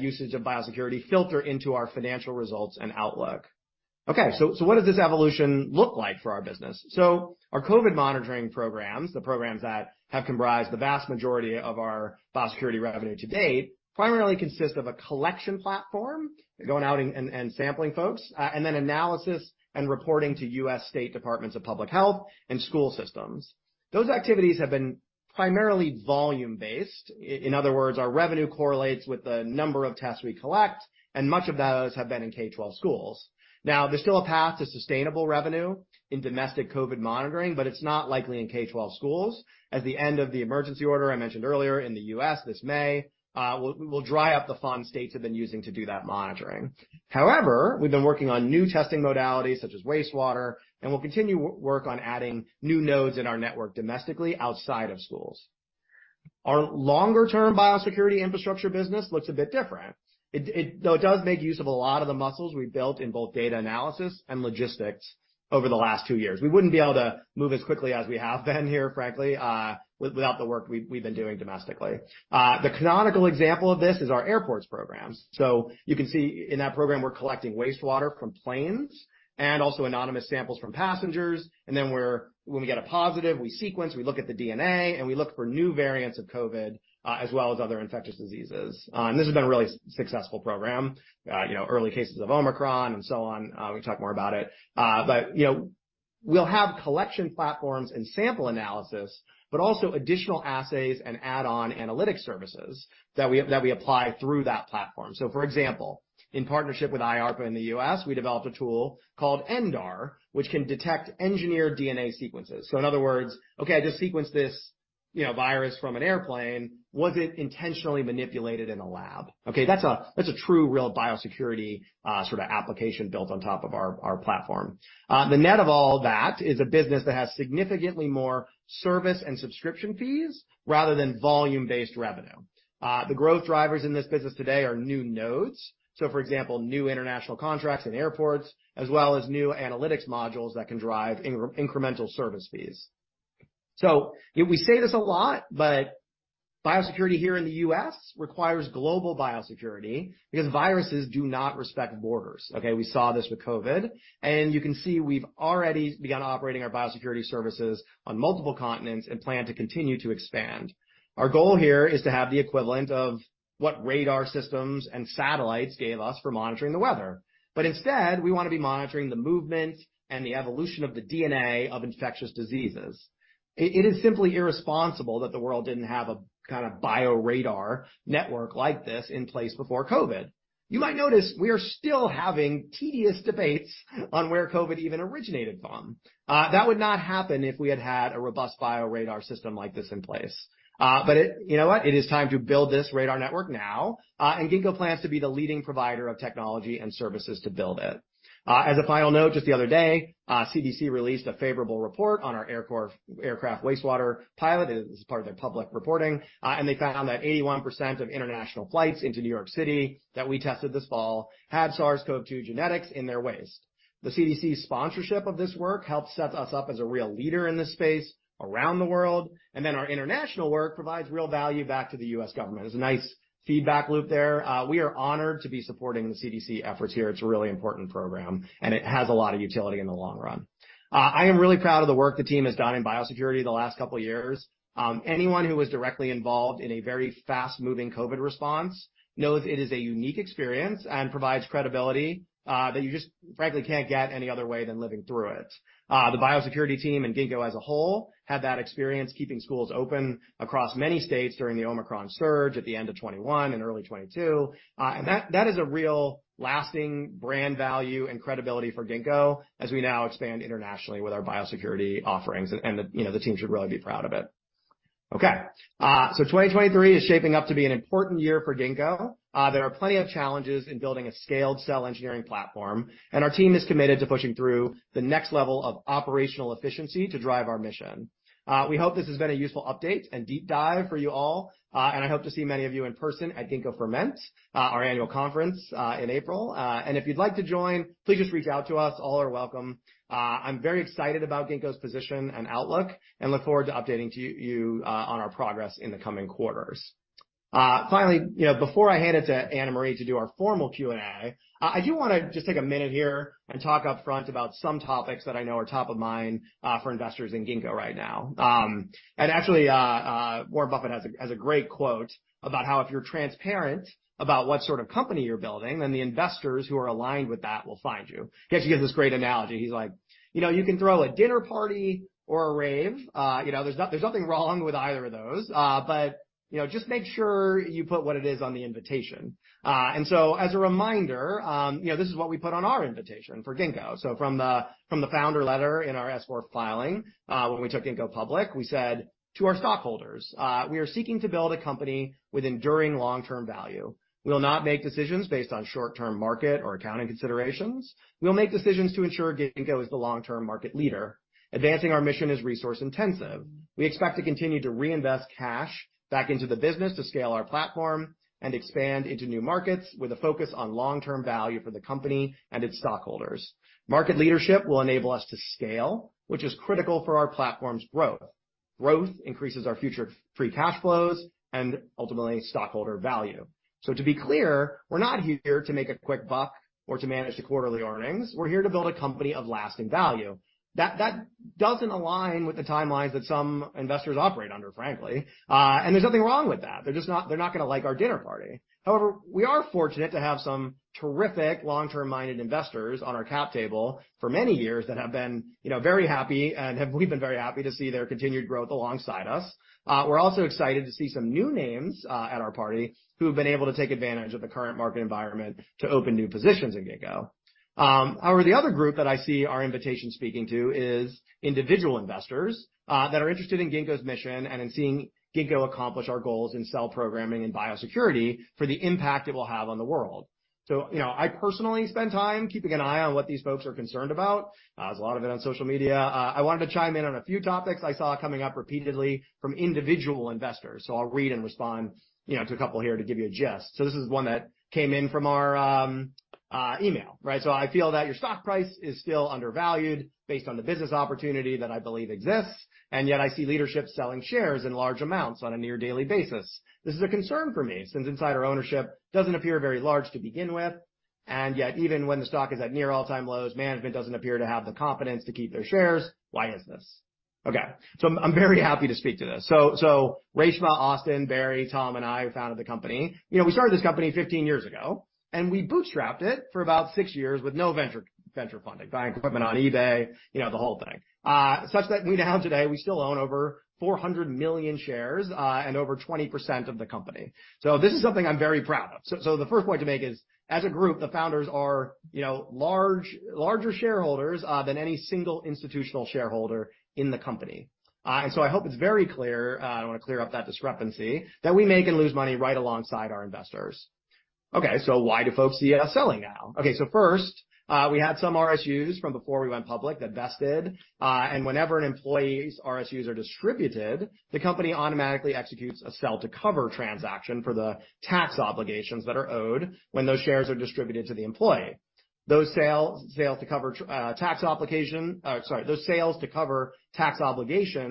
usage of biosecurity, filter into our financial results and outlook. What does this evolution look like for our business? Our COVID monitoring programs, the programs that have comprised the vast majority of our biosecurity revenue to date, primarily consist of a collection platform going out and sampling folks, and then analysis and reporting to U.S. State Departments of Public Health and school systems. Those activities have been primarily volume-based. In other words, our revenue correlates with the number of tests we collect, and much of those have been in K-12 schools. There's still a path to sustainable revenue in domestic COVID monitoring, but it's not likely in K-12 schools as the end of the emergency order I mentioned earlier in the US this May will dry up the funds states have been using to do that monitoring. We've been working on new testing modalities such as wastewater, and we'll continue work on adding new nodes in our network domestically outside of schools. Our longer-term biosecurity infrastructure business looks a bit different. It, though it does make use of a lot of the muscles we've built in both data analysis and logistics over the last two years. We wouldn't be able to move as quickly as we have been here, frankly, without the work we've been doing domestically. The canonical example of this is our airports programs. You can see in that program we're collecting wastewater from planes and also anonymous samples from passengers, when we get a positive, we sequence, we look at the DNA, and we look for new variants of COVID, as well as other infectious diseases. This has been a really successful program, you know, early cases of Omicron and so on, we talk more about it. You know, we'll have collection platforms and sample analysis, but also additional assays and add-on analytic services that we apply through that platform. For example, in partnership with IARPA in the U.S., we developed a tool called ENDAR, which can detect engineered DNA sequences. In other words, okay, I just sequenced this, you know, virus from an airplane. Was it intentionally manipulated in a lab? That's a, that's a true, real biosecurity sort of application built on top of our platform. The net of all that is a business that has significantly more service and subscription fees rather than volume-based revenue. The growth drivers in this business today are new nodes, for example, new international contracts in airports as well as new analytics modules that can drive incremental service fees. We say this a lot, but biosecurity here in the U.S. requires global biosecurity because viruses do not respect borders. We saw this with COVID, and you can see we've already begun operating our biosecurity services on multiple continents and plan to continue to expand. Our goal here is to have the equivalent of what radar systems and satellites gave us for monitoring the weather. Instead, we wanna be monitoring the movement and the evolution of the DNA of infectious diseases. It is simply irresponsible that the world didn't have a kind a bio radar network like this in place before COVID. You might notice we are still having tedious debates on where COVID even originated from? That would not happen if we had had a robust bio radar system like this in place. You know what? It is time to build this radar network now, and Ginkgo plans to be the leading provider of technology and services to build it. As a final note, just the other day, CDC released a favorable report on our aircraft wastewater pilot as part of their public reporting, and they found that 81% of international flights into New York City that we tested this fall had SARS-CoV-2 genetics in their waste. The CDC's sponsorship of this work helped set us up as a real leader in this space around the world. Our international work provides real value back to the U.S. government. There's a nice feedback loop there. We are honored to be supporting the CDC efforts here. It's a really important program. It has a lot of utility in the long run. I am really proud of the work the team has done in biosecurity the last couple years. Anyone who was directly involved in a very fast-moving COVID response knows it is a unique experience and provides credibility that you just frankly can't get any other way than living through it. The biosecurity team and Ginkgo as a whole had that experience keeping schools open across many states during the Omicron surge at the end of 21 and early 22. That is a real lasting brand value and credibility for Ginkgo as we now expand internationally with our biosecurity offerings, and, you know, the team should really be proud of it. 2023 is shaping up to be an important year for Ginkgo. There are plenty of challenges in building a scaled cell engineering platform, and our team is committed to pushing through the next level of operational efficiency to drive our mission. We hope this has been a useful update and deep dive for you all. I hope to see many of you in person at Ginkgo Ferment, our annual conference in April. If you'd like to join, please just reach out to us. All are welcome. I'm very excited about Ginkgo's position and outlook and look forward to updating to you on our progress in the coming quarters. Finally, you know, before I hand it to Anna Marie to do our formal Q&A, I do wanna just take a minute here and talk upfront about some topics that I know are top of mind for investors in Ginkgo right now. Actually, Warren Buffett has a great quote about how if you're transparent about what sort of company you're building, then the investors who are aligned with that will find you. He actually gives this great analogy. He's like, "You know, you can throw a dinner party or a rave. You know, there's nothing wrong with either of those. You know, just make sure you put what it is on the invitation." As a reminder, you know, this is what we put on our invitation for Ginkgo. From the founder letter in our S-4 filing, when we took Ginkgo public, we said, "To our stockholders, we are seeking to build a company with enduring long-term value. We'll not make decisions based on short-term market or accounting considerations. We'll make decisions to ensure Ginkgo is the long-term market leader. Advancing our mission is resource intensive. We expect to continue to reinvest cash back into the business to scale our platform and expand into new markets with a focus on long-term value for the company and its stockholders. Market leadership will enable us to scale, which is critical for our platform's growth. Growth increases our future free cash flows and ultimately stockholder value. To be clear, we're not here to make a quick buck or to manage the quarterly earnings. We're here to build a company of lasting value. That doesn't align with the timelines that some investors operate under, frankly. There's nothing wrong with that. They're just not gonna like our dinner party. However, we are fortunate to have some terrific long-term-minded investors on our cap table for many years that have been, you know, very happy, and we've been very happy to see their continued growth alongside us. We're also excited to see some new names at our party who've been able to take advantage of the current market environment to open new positions in Ginkgo. However, the other group that I see our invitation speaking to is individual investors that are interested in Ginkgo's mission and in seeing Ginkgo accomplish our goals in cell programming and biosecurity for the impact it will have on the world. you know, I personally spend time keeping an eye on what these folks are concerned about. There's a lot of it on social media. I wanted to chime in on a few topics I saw coming up repeatedly from individual investors. I'll read and respond, you know, to a couple here to give you a gist. This is one that came in from our email, right? "So I feel that your stock price is still undervalued based on the business opportunity that I believe exists, and yet I see leadership selling shares in large amounts on a near-daily basis. This is a concern for me, since insider ownership doesn't appear very large to begin with, and yet even when the stock is at near all-time lows, management doesn't appear to have the confidence to keep their shares. Why is this?" Okay, I'm very happy to speak to this. Reshma, Austin, Barry, Tom, and I founded the company. You know, we started this company 15 years ago, and we bootstrapped it for about 6 years with no venture funding, buying equipment on eBay, you know, the whole thing. Such that we now today, we still own over 400 million shares, and over 20% of the company. This is something I'm very proud of. The first point to make is, as a group, the founders are, you know, larger shareholders, than any single institutional shareholder in the company. I hope it's very clear, and I wanna clear up that discrepancy that we make and lose money right alongside our investors. Why do folks see us selling now? First, we had some RSUs from before we went public that vested. Whenever an employee's RSUs are distributed, the company automatically executes a sell-to-cover transaction for the tax obligations that are owed when those shares are distributed to the employee. Sorry, those sales to cover tax obligations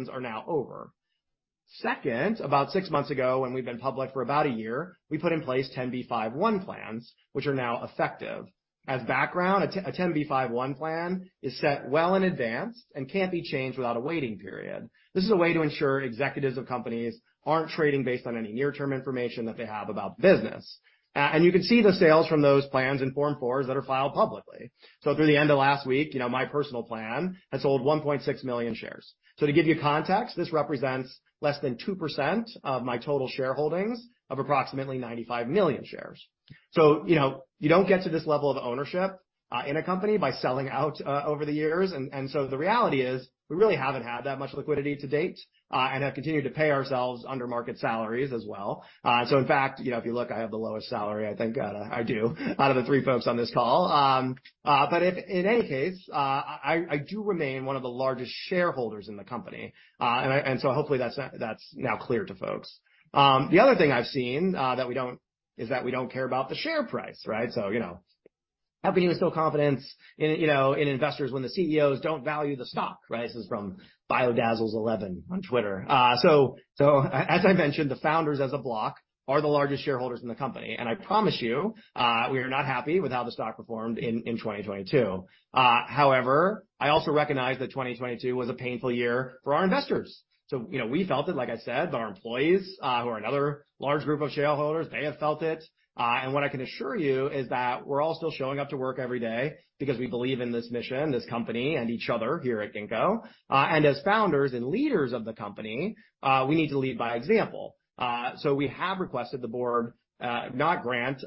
are now over. Second, about 6 months ago, when we'd been public for about a year, we put in place 10b5-1 plans, which are now effective. As background, a 10b5-1 plan is set well in advance and can't be changed without a waiting period. This is a way to ensure executives of companies aren't trading based on any near-term information that they have about the business. You can see the sales from those plans in Form 4s that are filed publicly. Through the end of last week, you know, my personal plan had sold $1.6 million shares. To give you context, this represents less than 2% of my total shareholdings of approximately 95 million shares. You know, you don't get to this level of ownership in a company by selling out over the years. The reality is, we really haven't had that much liquidity to date and have continued to pay ourselves under market salaries as well. In fact, you know, if you look, I have the lowest salary. I thank God I do, out of the 3 folks on this call. In any case, I do remain one of the largest shareholders in the company. Hopefully that's now clear to folks. The other thing I've seen is that we don't care about the share price, right? You know, how can you instill confidence in, you know, in investors when the CEOs don't value the stock, right? This is from Biodazzles11 on Twitter. As I mentioned, the founders as a block are the largest shareholders in the company. I promise you, we are not happy with how the stock performed in 2022. However, I also recognize that 2022 was a painful year for our investors. You know, we felt it, like I said, but our employees, who are another large group of shareholders, they have felt it. What I can assure you is that we're all still showing up to work every day because we believe in this mission, this company, and each other here at Ginkgo. As founders and leaders of the company, we need to lead by example. We have requested the board, not grant,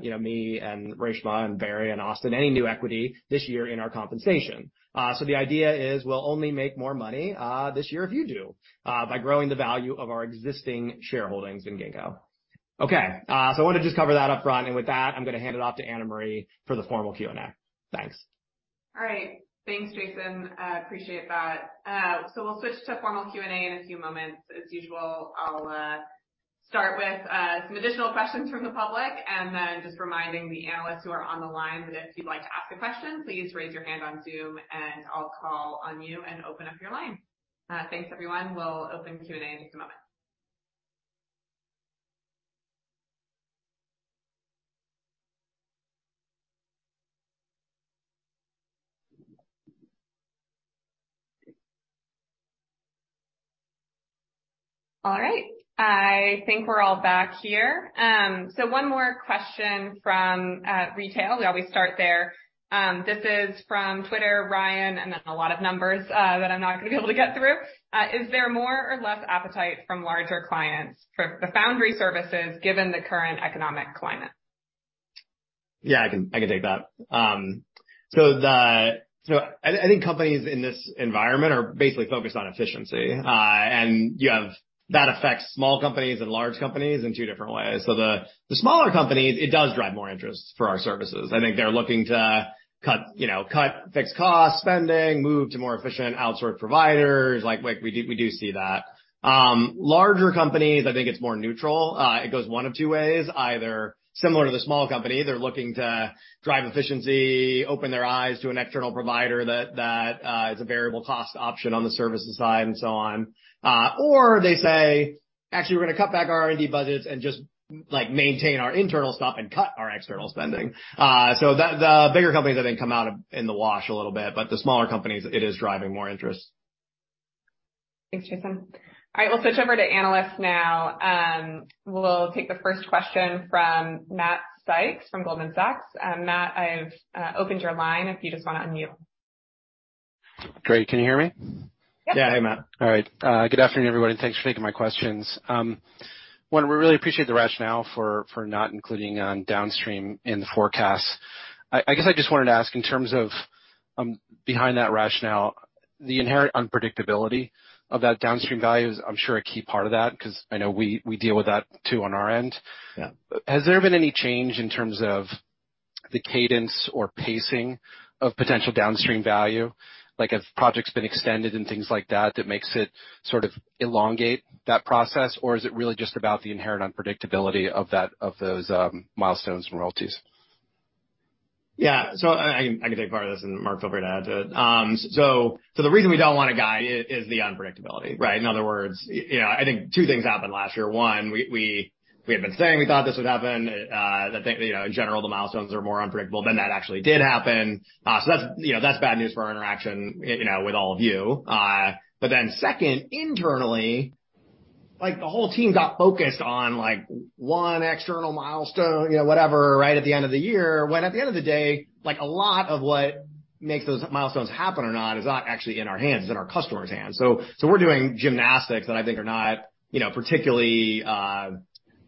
you know, me and Reshma and Barry and Austin any new equity this year in our compensation. The idea is we'll only make more money, this year if you do, by growing the value of our existing shareholdings in Ginkgo. Okay, I want to just cover that up front. With that, I'm gonna hand it off to Anna Marie for the formal Q&A. Thanks. All right. Thanks, Jason. I appreciate that. We'll switch to formal Q&A in a few moments. As usual, I'll start with some additional questions from the public and then just reminding the analysts who are on the line that if you'd like to ask a question, please raise your hand on Zoom, and I'll call on you and open up your line. Thanks, everyone. We'll open Q&A in just a moment. All right. I think we're all back here. One more question from retail. We always start there. This is from Twitter, Ryan, and then a lot of numbers that I'm not gonna be able to get through. Is there more or less appetite from larger clients for the Foundry services given the current economic climate? Yeah, I can take that. I think companies in this environment are basically focused on efficiency. That affects small companies and large companies in two different ways. The smaller companies, it does drive more interest for our services. I think they're looking to cut, you know, cut fixed costs, spending, move to more efficient outsourced providers. Like we do see that. Larger companies, I think it's more neutral. It goes one of two ways. Either similar to the small company, they're looking to drive efficiency, open their eyes to an external provider that is a variable cost option on the services side and so on. They say, "Actually, we're gonna cut back our R&D budgets and just, like, maintain our internal stuff and cut our external spending." That the bigger companies I think come out of in the wash a little bit, but the smaller companies, it is driving more interest. Thanks, Jason. All right, we'll switch over to analysts now. We'll take the first question from Matt Sykes from Goldman Sachs. Matt, I've opened your line if you just wanna unmute. Great. Can you hear me? Yep. Yeah. Hey, Matt. All right. Good afternoon, everybody. Thanks for taking my questions. One, we really appreciate the rationale for not including downstream in the forecast. I guess I just wanted to ask, in terms of behind that rationale, the inherent unpredictability of that downstream value is, I'm sure, a key part of that, 'cause I know we deal with that too on our end. Yeah. Has there been any change in terms of the cadence or pacing of potential downstream value? Like have projects been extended and things like that that makes it sort of elongate that process, or is it really just about the inherent unpredictability of that, of those, milestones and royalties? Yeah. I can take part of this, and Mark feel free to add to it. The reason we don't wanna guide it is the unpredictability, right? In other words, you know, I think 2 things happened last year. 1, we had been saying we thought this would happen. The thing, you know, in general, the milestones are more unpredictable than that actually did happen. That's, you know, that's bad news for our interaction, you know, with all of you. 2nd, internally, like the whole team got focused on, like, 1 external milestone, you know, whatever, right at the end of the year, when at the end of the day, like a lot of what makes those milestones happen or not is not actually in our hands, it's in our customers' hands. We're doing gymnastics that I think are not, you know, particularly,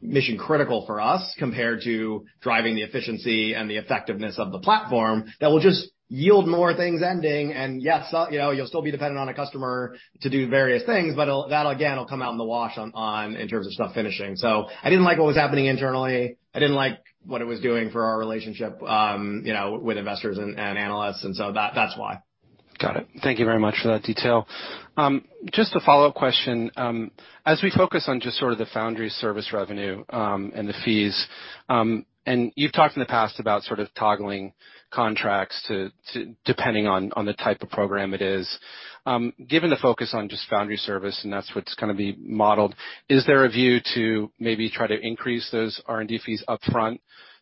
mission critical for us compared to driving the efficiency and the effectiveness of the platform that will just yield more things ending. Yes, you know, you'll still be dependent on a customer to do various things, but it'll, that again will come out in the wash on in terms of stuff finishing. I didn't like what was happening internally. I didn't like what it was doing for our relationship, you know, with investors and analysts, and so that's why. Got it. Thank you very much for that detail. Just a follow-up question. As we focus on just sort of the Foundry service revenue, and the fees, and you've talked in the past about sort of toggling contracts to depending on the type of program it is, given the focus on just Foundry service, and that's what's gonna be modeled, is there a view to maybe try to increase those R&D fees up front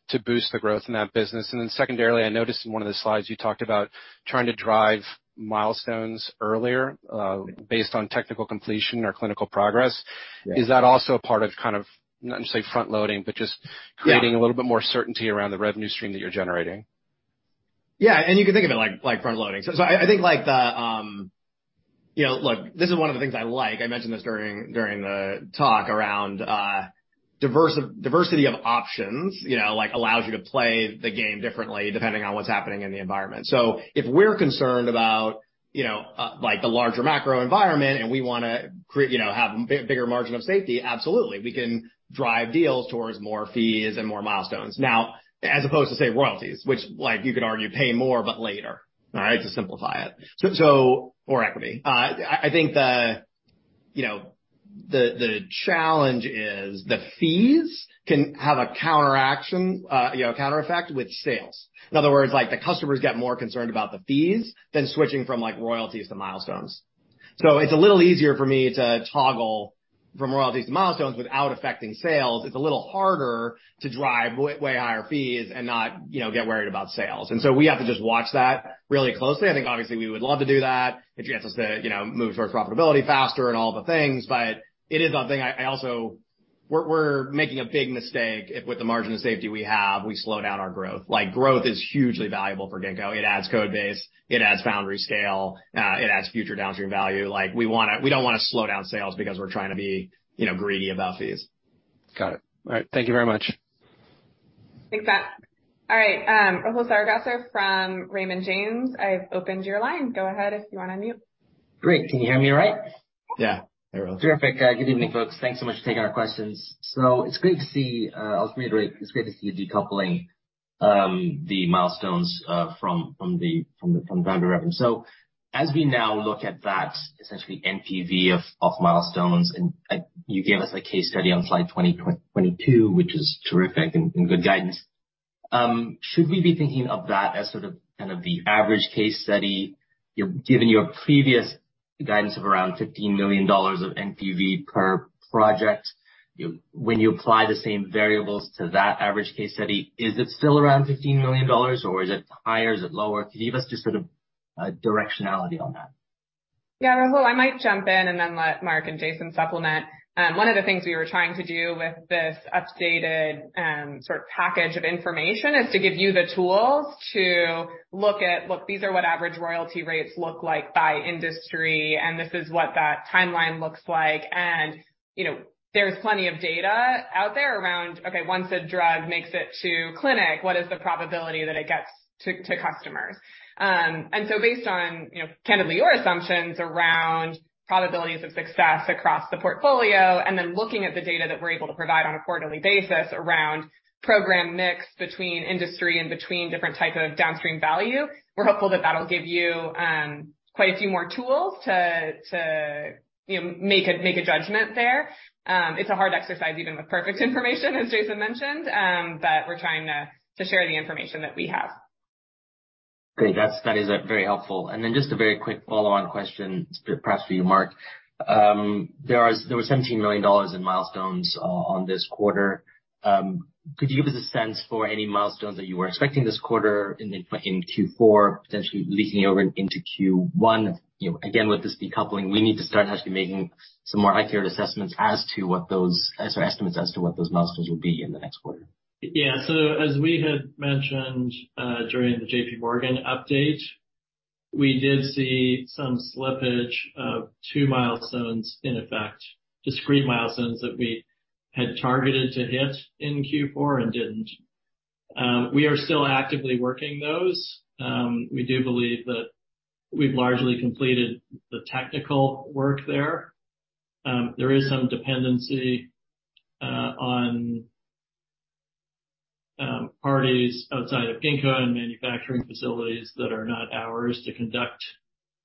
to boost the growth in that business? Secondarily, I noticed in one of the slides you talked about trying to drive milestones earlier, based on technical completion or clinical progress? Yeah. Is that also a part of kind of, not necessarily front-loading, but? Yeah. creating a little bit more certainty around the revenue stream that you're generating? Yeah. You can think of it like front-loading. I think like the... You know, look, this is one of the things I like. I mentioned this during the talk around diversity of options, you know, like allows you to play the game differently depending on what's happening in the environment. If we're concerned about, you know, like the larger macro environment and we wanna create, you know, have a bigger margin of safety, absolutely. We can drive deals towards more fees and more milestones. Now, as opposed to say, royalties, which like you could argue pay more, but later, all right, to simplify it. More equity. I think the, you know, the challenge is that fees can have a counteraction, you know, a countereffect with sales. In other words, like the customers get more concerned about the fees than switching from like royalties to milestones. It's a little easier for me to toggle from royalties to milestones without affecting sales. It's a little harder to driveway higher fees and not, you know, get worried about sales. We have to just watch that really closely. I think obviously we would love to do that. It gets us to, you know, move towards profitability faster and all the things. It is something I also. We're making a big mistake if with the margin of safety we have, we slow down our growth. Like growth is hugely valuable for Ginkgo. It adds Codebase, it adds Foundry scale, it adds future downstream value. Like, we don't wanna slow down sales because we're trying to be, you know, greedy about fees. Got it. All right. Thank you very much. Thanks, Matt. All right, Rahul Sarugaser from Raymond James. I've opened your line. Go ahead if you wanna unmute. Great. Can you hear me all right? Yeah. Hey, Rahul. Terrific. Good evening, folks. Thanks so much for taking our questions. It's great to see, I'll just reiterate, it's great to see you decoupling the milestones from Foundry revenue. As we now look at that, essentially NPV of milestones, and, like, you gave us a case study on slide 2022, which is terrific and good guidance. Should we be thinking of that as sort of, kind of the average case study? You're giving your previous guidance of around $15 million of NPV per project. You know, when you apply the same variables to that average case study, is it still around $15 million or is it higher, is it lower? Can you give us just sort of a directionality on that? Yeah, Rahul, I might jump in and then let Mark and Jason supplement. One of the things we were trying to do with this updated sort of package of information is to give you the tools to look at, look, these are what average royalty rates look like by industry. This is what that timeline looks like. You know, there's plenty of data out there around, okay, once a drug makes it to clinic, what is the probability that it gets to customers? Based on, you know, candidly your assumptions around probabilities of success across the portfolio and then looking at the data that we're able to provide on a quarterly basis around program mix between industry and between different type of downstream value, we're hopeful that that'll give you quite a few more tools to make a judgment there. It's a hard exercise even with perfect information, as Jason mentioned, but we're trying to share the information that we have. Great. That's, that is very helpful. Just a very quick follow-on question perhaps for you, Mark. There were $17 million in milestones on this quarter. Could you give us a sense for any milestones that you were expecting this quarter in Q4 potentially leaking over into Q1? You know, again, with this decoupling, we need to start actually making some more accurate assessments as to what those or estimates as to what those milestones will be in the next quarter. Yeah. As we had mentioned, during the J.P. Morgan update, we did see some slippage of two milestones in effect, discrete milestones that we had targeted to hit in Q4 and didn't. We are still actively working those. We do believe that we've largely completed the technical work there. There is some dependency on parties outside of Ginkgo and manufacturing facilities that are not ours to conduct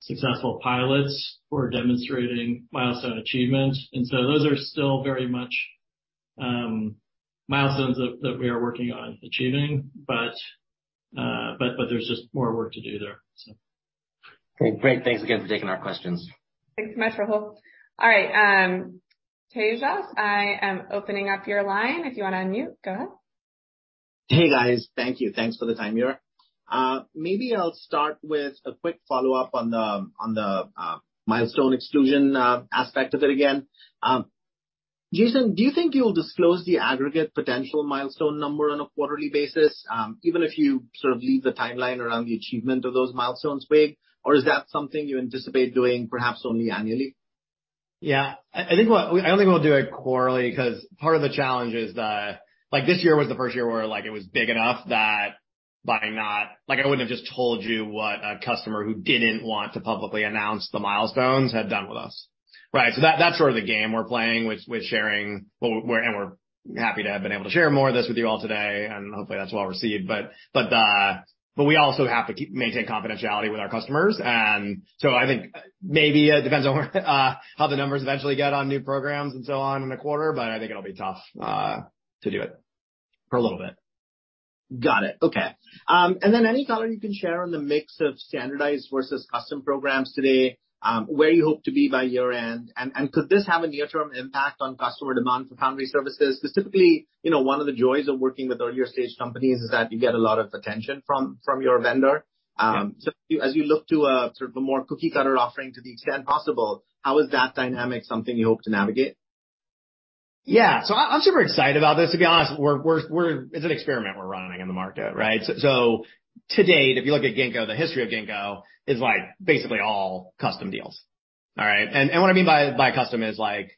successful pilots for demonstrating milestone achievement. Those are still very much milestones that we are working on achieving, but there's just more work to do there, so. Okay, great. Thanks again for taking our questions. Thanks so much, Rahul. Tejas, I am opening up your line. If you wanna unmute, go ahead. Hey, guys. Thank you. Thanks for the time here. maybe I'll start with a quick follow-up on the, on the milestone exclusion, aspect of it again. Jason, do you think you'll disclose the aggregate potential milestone number on a quarterly basis, even if you sort of leave the timeline around the achievement of those milestones vague? Or is that something you anticipate doing perhaps only annually? Yeah. I don't think we'll do it quarterly because part of the challenge is that, like, this year was the first year where, like, it was big enough that by not... Like, I wouldn't have just told you what a customer who didn't want to publicly announce the milestones had done with us, right? That's sort of the game we're playing with sharing what we're... We're happy to have been able to share more of this with you all today, and hopefully that's well received. But we also have to maintain confidentiality with our customers. I think maybe it depends on how the numbers eventually get on new programs and so on in the quarter, but I think it'll be tough to do it for a little bit. Got it. Okay. Then any color you can share on the mix of standardized versus custom programs today, where you hope to be by year-end? Could this have a near-term impact on customer demand for foundry services? Specifically, you know, one of the joys of working with earlier stage companies is that you get a lot of attention from your vendor. So, as you look to a sort of a more cookie-cutter offering to the extent possible, how is that dynamic something you hope to navigate? Yeah. I'm super excited about this, to be honest. It's an experiment we're running in the market, right? To date, if you look at Ginkgo, the history of Ginkgo is, like, basically all custom deals. All right? What I mean by custom is, like,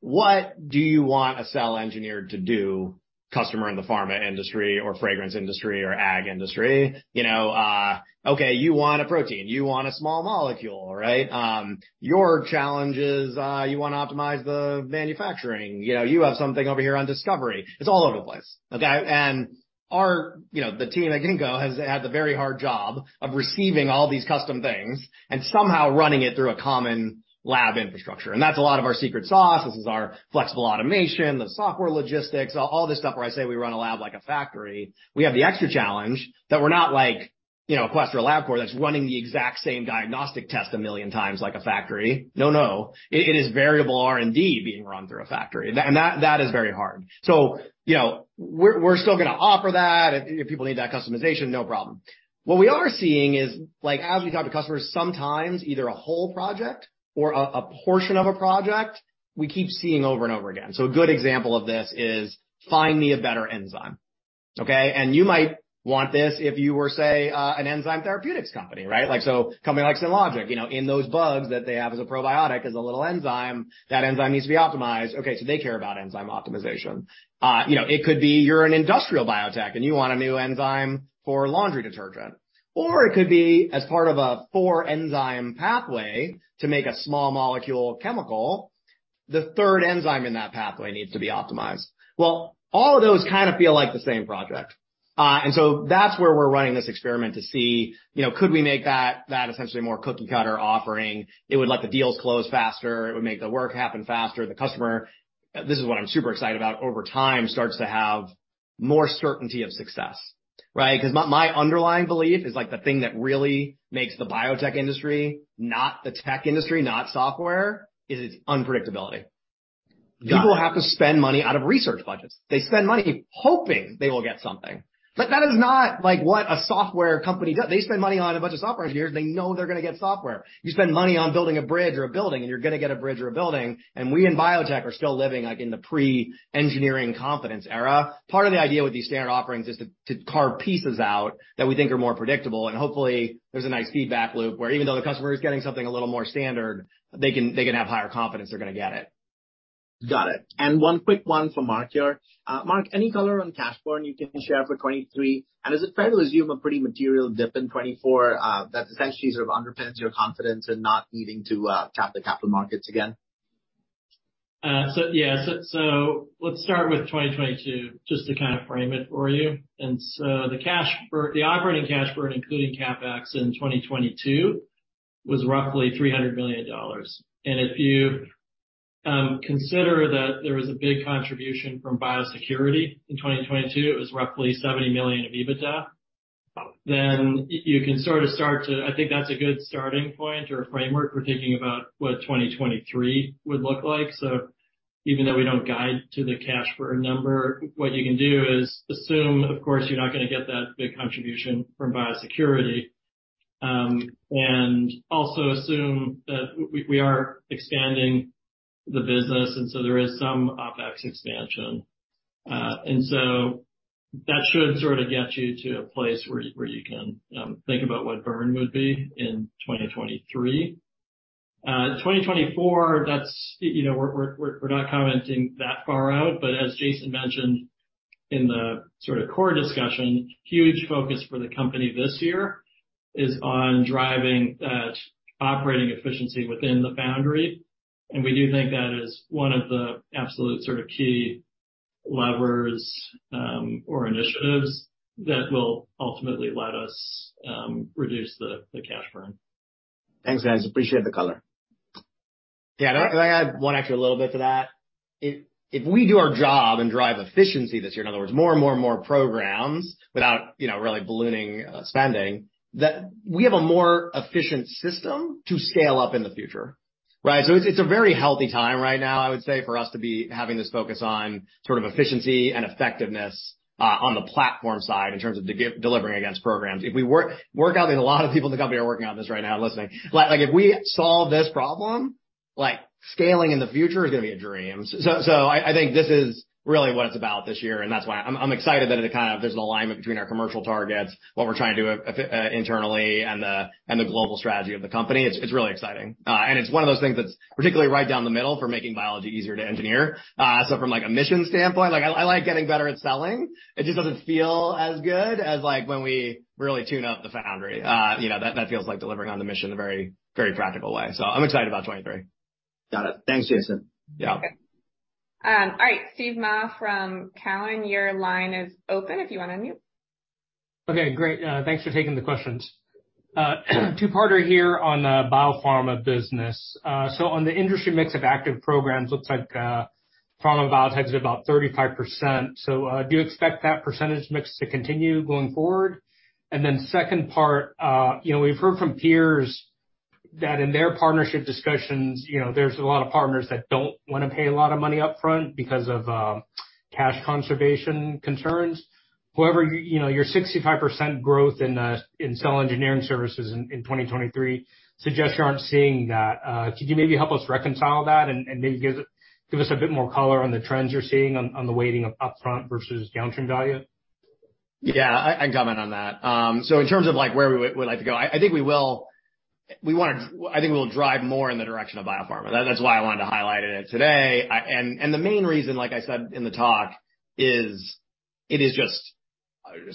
what do you want a cell engineer to do, customer in the pharma industry or fragrance industry or ag industry? You know, okay, you want a protein, you want a small molecule, right? Your challenge is, you wanna optimize the manufacturing. You know, you have something over here on discovery. It's all over the place, okay? Our, you know, the team at Ginkgo has had the very hard job of receiving all these custom things and somehow running it through a common lab infrastructure. That's a lot of our secret sauce. This is our flexible automation, the software logistics, all this stuff where I say we run a lab like a factory. We have the extra challenge that we're not like, you know, a Quest or a Labcorp that's running the exact same diagnostic test 1 million times like a factory. No, no. It is variable R&D being run through a factory. That is very hard. You know, we're still gonna offer that. If people need that customization, no problem. What we are seeing is, like, as we talk to customers, sometimes either a whole project or a portion of a project we keep seeing over and over again. A good example of this is find me a better enzyme, okay? You might want this if you were, say, an enzyme therapeutics company, right? Company like Synlogic, you know, in those bugs that they have as a probiotic is a little enzyme. That enzyme needs to be optimized. They care about enzyme optimization. You know, it could be you're an industrial biotech, you want a new enzyme for laundry detergent. It could be as part of a 4-enzyme pathway to make a small molecule chemical, the third enzyme in that pathway needs to be optimized. Well, all of those kind of feel like the same project. That's where we're running this experiment to see, you know, could we make that essentially more cookie-cutter offering? It would let the deals close faster. It would make the work happen faster. The customer, this is what I'm super excited about, over time, starts to have more certainty of success, right? My underlying belief is, like, the thing that really makes the biotech industry, not the tech industry, not software, is its unpredictability. Got it. People have to spend money out of research budgets. They spend money hoping they will get something. That is not like what a software company does. They spend money on a bunch of software engineers, they know they're gonna get software. You spend money on building a bridge or a building, you're gonna get a bridge or a building. We in biotech are still living, like, in the pre-engineering confidence era. Part of the idea with these standard offerings is to carve pieces out that we think are more predictable. Hopefully there's a nice feedback loop where even though the customer is getting something a little more standard, they can have higher confidence they're gonna get it. Got it. One quick one for Mark here. Mark, any color on cash burn you can share for 2023? Is it fair to assume a pretty material dip in 2024, that essentially sort of underpins your confidence in not needing to tap the capital markets again? Yeah, so let's start with 2022, just to kind of frame it for you. The operating cash burn, including CapEx in 2022 was roughly $300 million. If you consider that there was a big contribution from biosecurity in 2022, it was roughly $70 million of EBITDA. You can sort of start to... I think that's a good starting point or a framework for thinking about what 2023 would look like. Even though we don't guide to the cash burn number, what you can do is assume, of course, you're not gonna get that big contribution from biosecurity. Also assume that we are expanding the business, and so there is some OpEx expansion. That should sort of get you to a place where you can think about what burn would be in 2023. 2024, that's, you know, we're not commenting that far out. As Jason mentioned in the sort of core discussion, huge focus for the company this year is on driving that operating efficiency within the Foundry. We do think that is one of the absolute sort of key levers, or initiatives that will ultimately let us reduce the cash burn. Thanks, guys. Appreciate the color. Yeah. Can I add one extra little bit to that? If we do our job and drive efficiency this year, in other words, more and more and more programs without, you know, really ballooning spending, that we have a more efficient system to scale up in the future, right? It's, it's a very healthy time right now, I would say, for us to be having this focus on sort of efficiency and effectiveness on the platform side in terms of delivering against programs. If we work out, there's a lot of people in the company are working on this right now listening. Like, if we solve this problem, like scaling in the future is gonna be a dream. I think this is really what it's about this year, that's why I'm excited that it kind of there's an alignment between our commercial targets, what we're trying to do, internally and the global strategy of the company. It's really exciting. It's one of those things that's particularly right down the middle for making biology easier to engineer. From, like, a mission standpoint, like getting better at selling, it just doesn't feel as good as like when we really tune up the Foundry. you know, that feels like delivering on the mission in a very, very practical way. I'm excited about 23. Got it. Thanks, Jason. Yeah. All right, Steven Mah from Cowen, your line is open if you wanna unmute. Okay, great. Thanks for taking the questions. Two-parter here on the biopharma business. On the industry mix of active programs, looks like pharma and biotech is about 35%. Do you expect that percentage mix to continue going forward? Then second part, you know, we've heard from peers that in their partnership discussions, you know, there's a lot of partners that don't wanna pay a lot of money up front because of cash conservation concerns. However, you know, your 65% growth in the cell engineering services in 2023 suggest you aren't seeing that. Could you maybe help us reconcile that and maybe give us a bit more color on the trends you're seeing on the weighting of upfront versus downstream value? Yeah, I can comment on that. In terms of like, where we would like to go, I think we'll drive more in the direction of biopharma. That's why I wanted to highlight it today. And the main reason, like I said in the talk, is it is just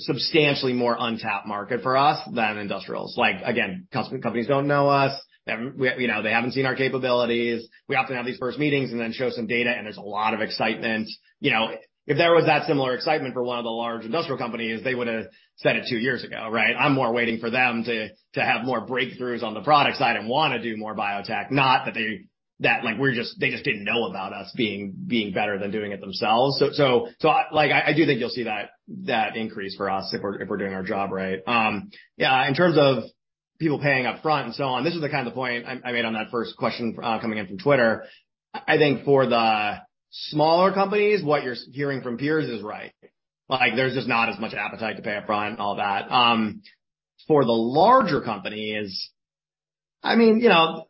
substantially more untapped market for us than industrials. Like, again, companies don't know us. They haven't, you know, they haven't seen our capabilities. We often have these first meetings and then show some data, and there's a lot of excitement. You know, if there was that similar excitement for one of the large industrial companies, they would've said it 2 years ago, right? I'm more waiting for them to have more breakthroughs on the product side and wanna do more biotech. Not that they, that, like, we're just, they just didn't know about us being better than doing it themselves. Like, I do think you'll see that increase for us if we're doing our job right. Yeah, in terms of people paying up front and so on, this is the kind of point I made on that first question coming in from Twitter. I think for the smaller companies, what you're hearing from peers is right. Like, there's just not as much appetite to pay up front and all that. For the larger companies, I mean, you know,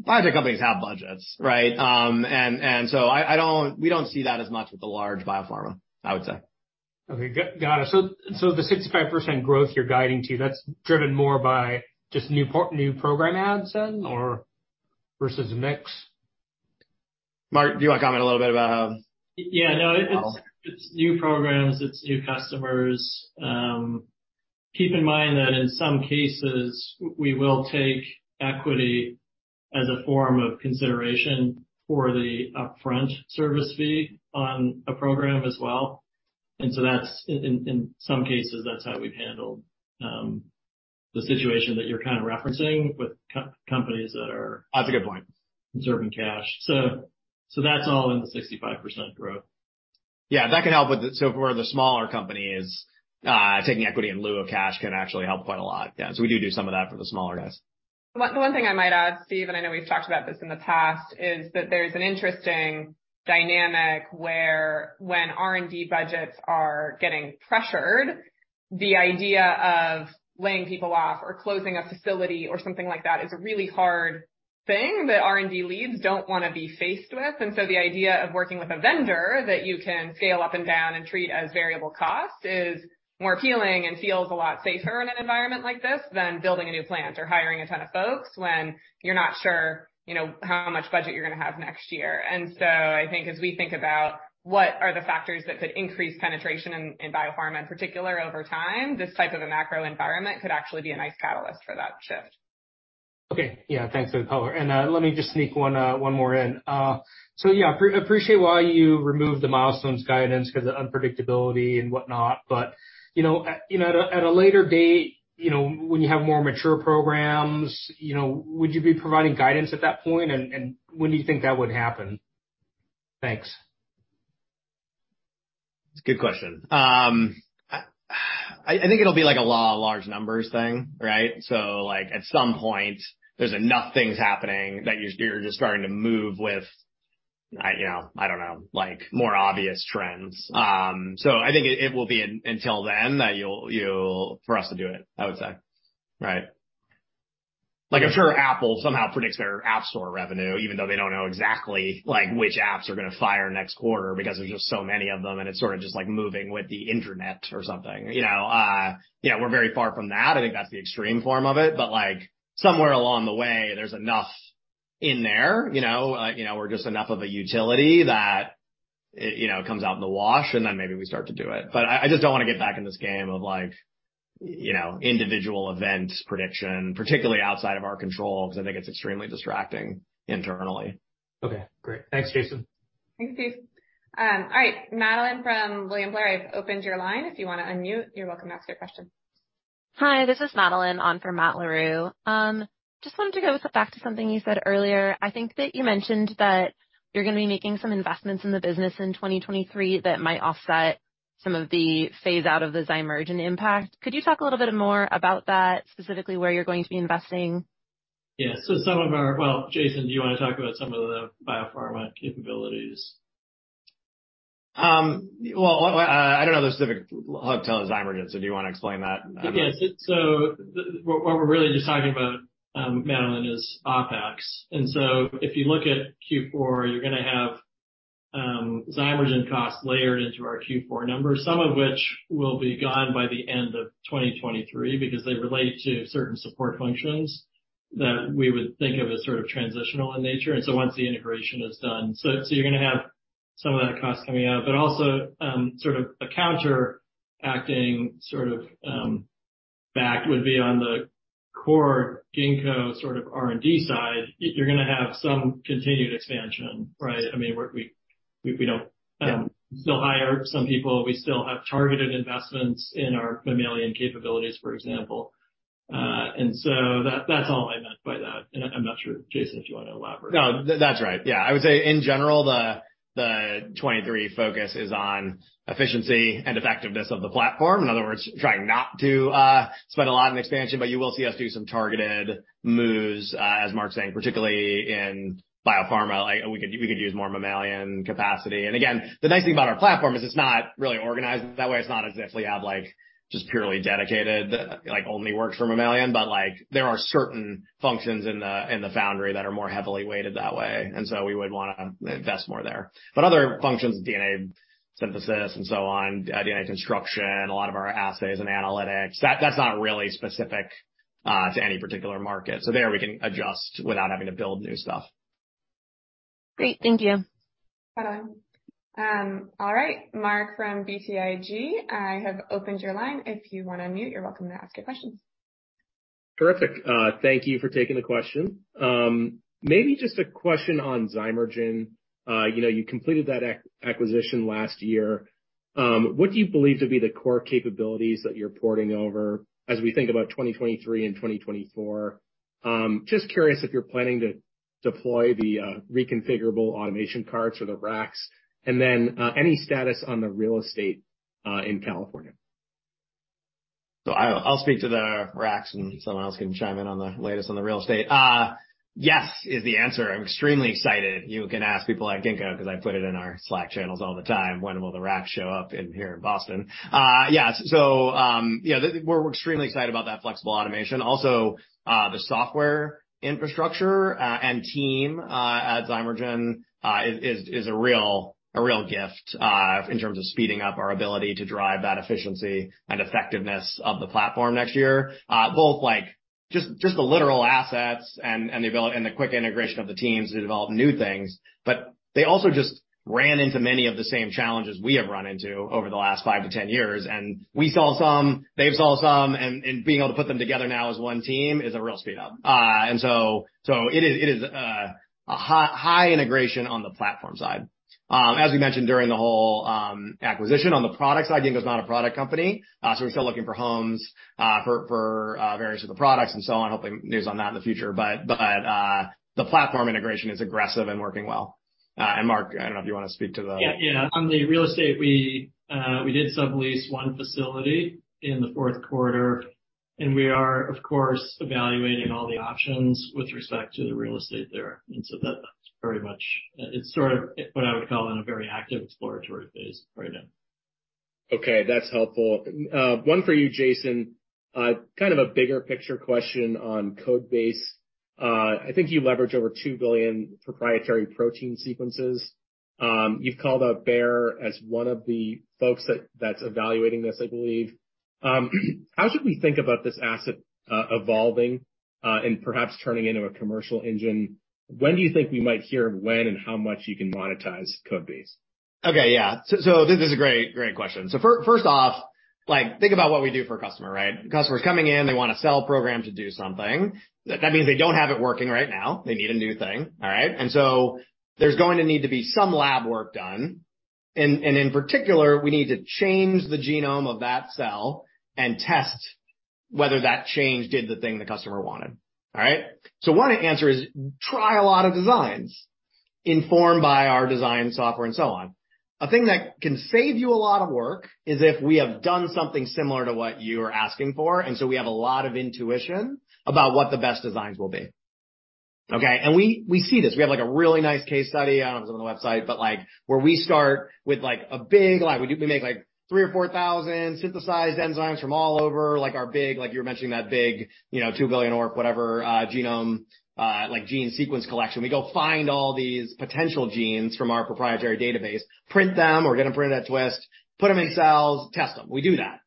biotech companies have budgets, right? We don't see that as much with the large biopharma, I would say. Okay. Got it. The 65% growth you're guiding to, that's driven more by just new program adds in, or versus mix? Mark, do you wanna comment a little bit about? Yeah, no, it's new programs, it's new customers. Keep in mind that in some cases, we will take equity as a form of consideration for the upfront service fee on a program as well. That's, in some cases, that's how we've handled the situation that you're kind of referencing with. That's a good point. conserving cash. That's all in the 65% growth. For the smaller companies, taking equity in lieu of cash can actually help quite a lot. Yeah. We do some of that for the smaller guys. One thing I might add, Steve, and I know we've talked about this in the past, is that there's an interesting dynamic where when R&D budgets are getting pressured, the idea of laying people off or closing a facility or something like that is a really hard thing that R&D leads don't wanna be faced with. The idea of working with a vendor that you can scale up and down and treat as variable cost is more appealing and feels a lot safer in an environment like this than building a new plant or hiring a ton of folks when you're not sure, you know, how much budget you're gonna have next year. I think as we think about what are the factors that could increase penetration in biopharma in particular over time, this type of a macro environment could actually be a nice catalyst for that shift. Okay. Yeah, thanks for the color. Let me just sneak one more in. Yeah, appreciate why you removed the milestones guidance 'cause of the unpredictability and whatnot, but, you know, at, you know, at a, at a later date, you know, when you have more mature programs, you know, would you be providing guidance at that point? When do you think that would happen? Thanks. It's a good question. I think it'll be like a law of large numbers thing, right? At some point, there's enough things happening that you're just starting to move with, you know, I don't know, like more obvious trends. I think it will be until then that you'll. For us to do it, I would say, right? Like, I'm sure Apple somehow predicts their App Store revenue, even though they don't know exactly like which apps are gonna fire next quarter because there's just so many of them, and it's sorta just like moving with the internet or something. You know, you know, we're very far from that. I think that's the extreme form of it. Like somewhere along the way, there's enough in there, you know, you know, we're just enough of a utility that it, you know, comes out in the wash and then maybe we start to do it. I just don't wanna get back in this game of like, you know, individual events prediction, particularly outside of our control because I think it's extremely distracting internally. Okay, great. Thanks, Jason. Thanks, Steve. All right, Madeline from William Blair, I've opened your line. If you wanna unmute, you're welcome to ask your question. Hi, this is Madeline on for Matt Larew. just wanted to go back to something you said earlier. I think that you mentioned that you're gonna be making some investments in the business in 2023 that might offset some of the phase out of the Zymergen impact. Could you talk a little bit more about that, specifically where you're going to be investing? Yeah. Well, Jason, do you wanna talk about some of the biopharma capabilities? Well, I don't know the specific hook to Zymergen, so do you wanna explain that? Yes. What we're really just talking about, Madeline, is OpEx. If you look at Q4, you're gonna have Zymergen costs layered into our Q4 numbers, some of which will be gone by the end of 2023 because they relate to certain support functions that we would think of as sort of transitional in nature. Once the integration is done. You're gonna have some of that cost coming out. Also, sort of a counteracting sort of back would be on the core Ginkgo sort of R&D side, you're gonna have some continued expansion, right? I mean, we don't still hire some people. We still have targeted investments in our mammalian capabilities, for example. So that's all I meant by that. I'm not sure, Jason, if you wanna elaborate. No, that's right. Yeah. I would say in general, the 23 focus is on efficiency and effectiveness of the platform. In other words, trying not to spend a lot on expansion, but you will see us do some targeted moves, as Mark's saying, particularly in biopharma. Like, we could use more mammalian capacity. Again, the nice thing about our platform is it's not really organized that way. It's not as if we have like just purely dedicated, like only works for mammalian, but like there are certain functions in the Foundry that are more heavily weighted that way. So we would wanna invest more there. Other functions, DNA synthesis and so on, DNA construction, a lot of our assays and analytics, that's not really specific to any particular market. There we can adjust without having to build new stuff. Great. Thank you. No problem. All right, Mark from BTIG, I have opened your line. If you wanna unmute, you're welcome to ask your questions. Terrific. Thank you for taking the question. Maybe just a question on Zymergen. You know, you completed that acquisition last year. What do you believe to be the core capabilities that you're porting over as we think about 2023 and 2024? Just curious if you're planning to deploy the reconfigurable automation carts or the racks, and then any status on the real estate in California. I'll speak to the racks and someone else can chime in on the latest on the real estate. Yes is the answer. I'm extremely excited. You can ask people at Ginkgo 'cause I put it in our Slack channels all the time, "When will the racks show up in here in Boston?" You know, we're extremely excited about that flexible automation. Also, the software infrastructure and team at Zymergen is a real gift in terms of speeding up our ability to drive that efficiency and effectiveness of the platform next year, both like just the literal assets and the quick integration of the teams to develop new things. They also just ran into many of the same challenges we have run into over the last 5 to 10 years, and we saw some, they saw some, and being able to put them together now as one team is a real speed up. So it is a high, high integration on the platform side. As we mentioned during the whole acquisition on the products side, Ginkgo's not a product company, so we're still looking for homes for various of the products and so on. Hopefully, news on that in the future, but the platform integration is aggressive and working well. Mark, I don't know if you wanna speak to the- Yeah. On the real estate, we did sublease one facility in the Q4. We are, of course, evaluating all the options with respect to the real estate there. That's very much, it's sort of what I would call in a very active exploratory phase right now. Okay, that's helpful. One for you, Jason, kind of a bigger picture question on Codebase. I think you leverage over 2 billion proprietary protein sequences. You've called out Bayer as one of the folks that's evaluating this, I believe. How should we think about this asset, evolving, and perhaps turning into a commercial engine? When do you think we might hear when and how much you can monetize Codebase? Okay, yeah. This is a great question. First off, like, think about what we do for a customer, right? Customer's coming in, they want a cell program to do something. That means they don't have it working right now. They need a new thing, all right? There's going to need to be some lab work done. In particular, we need to change the genome of that cell and test whether that change did the thing the customer wanted. All right? One answer is try a lot of designs informed by our design software and so on. A thing that can save you a lot of work is if we have done something similar to what you're asking for, and so we have a lot of intuition about what the best designs will be. Okay? We see this. We have, like, a really nice case study, I don't know if it's on the website, but, like, where we start with, like, a big. Like, we make, like, 3,000 or 4,000 synthesized enzymes from all over, like, our big, like, you were mentioning that big, you know, 2 billion or whatever, genome, like, gene sequence collection. We go find all these potential genes from our proprietary database, print them or get them printed at Twist, put them in cells, test them. We do that.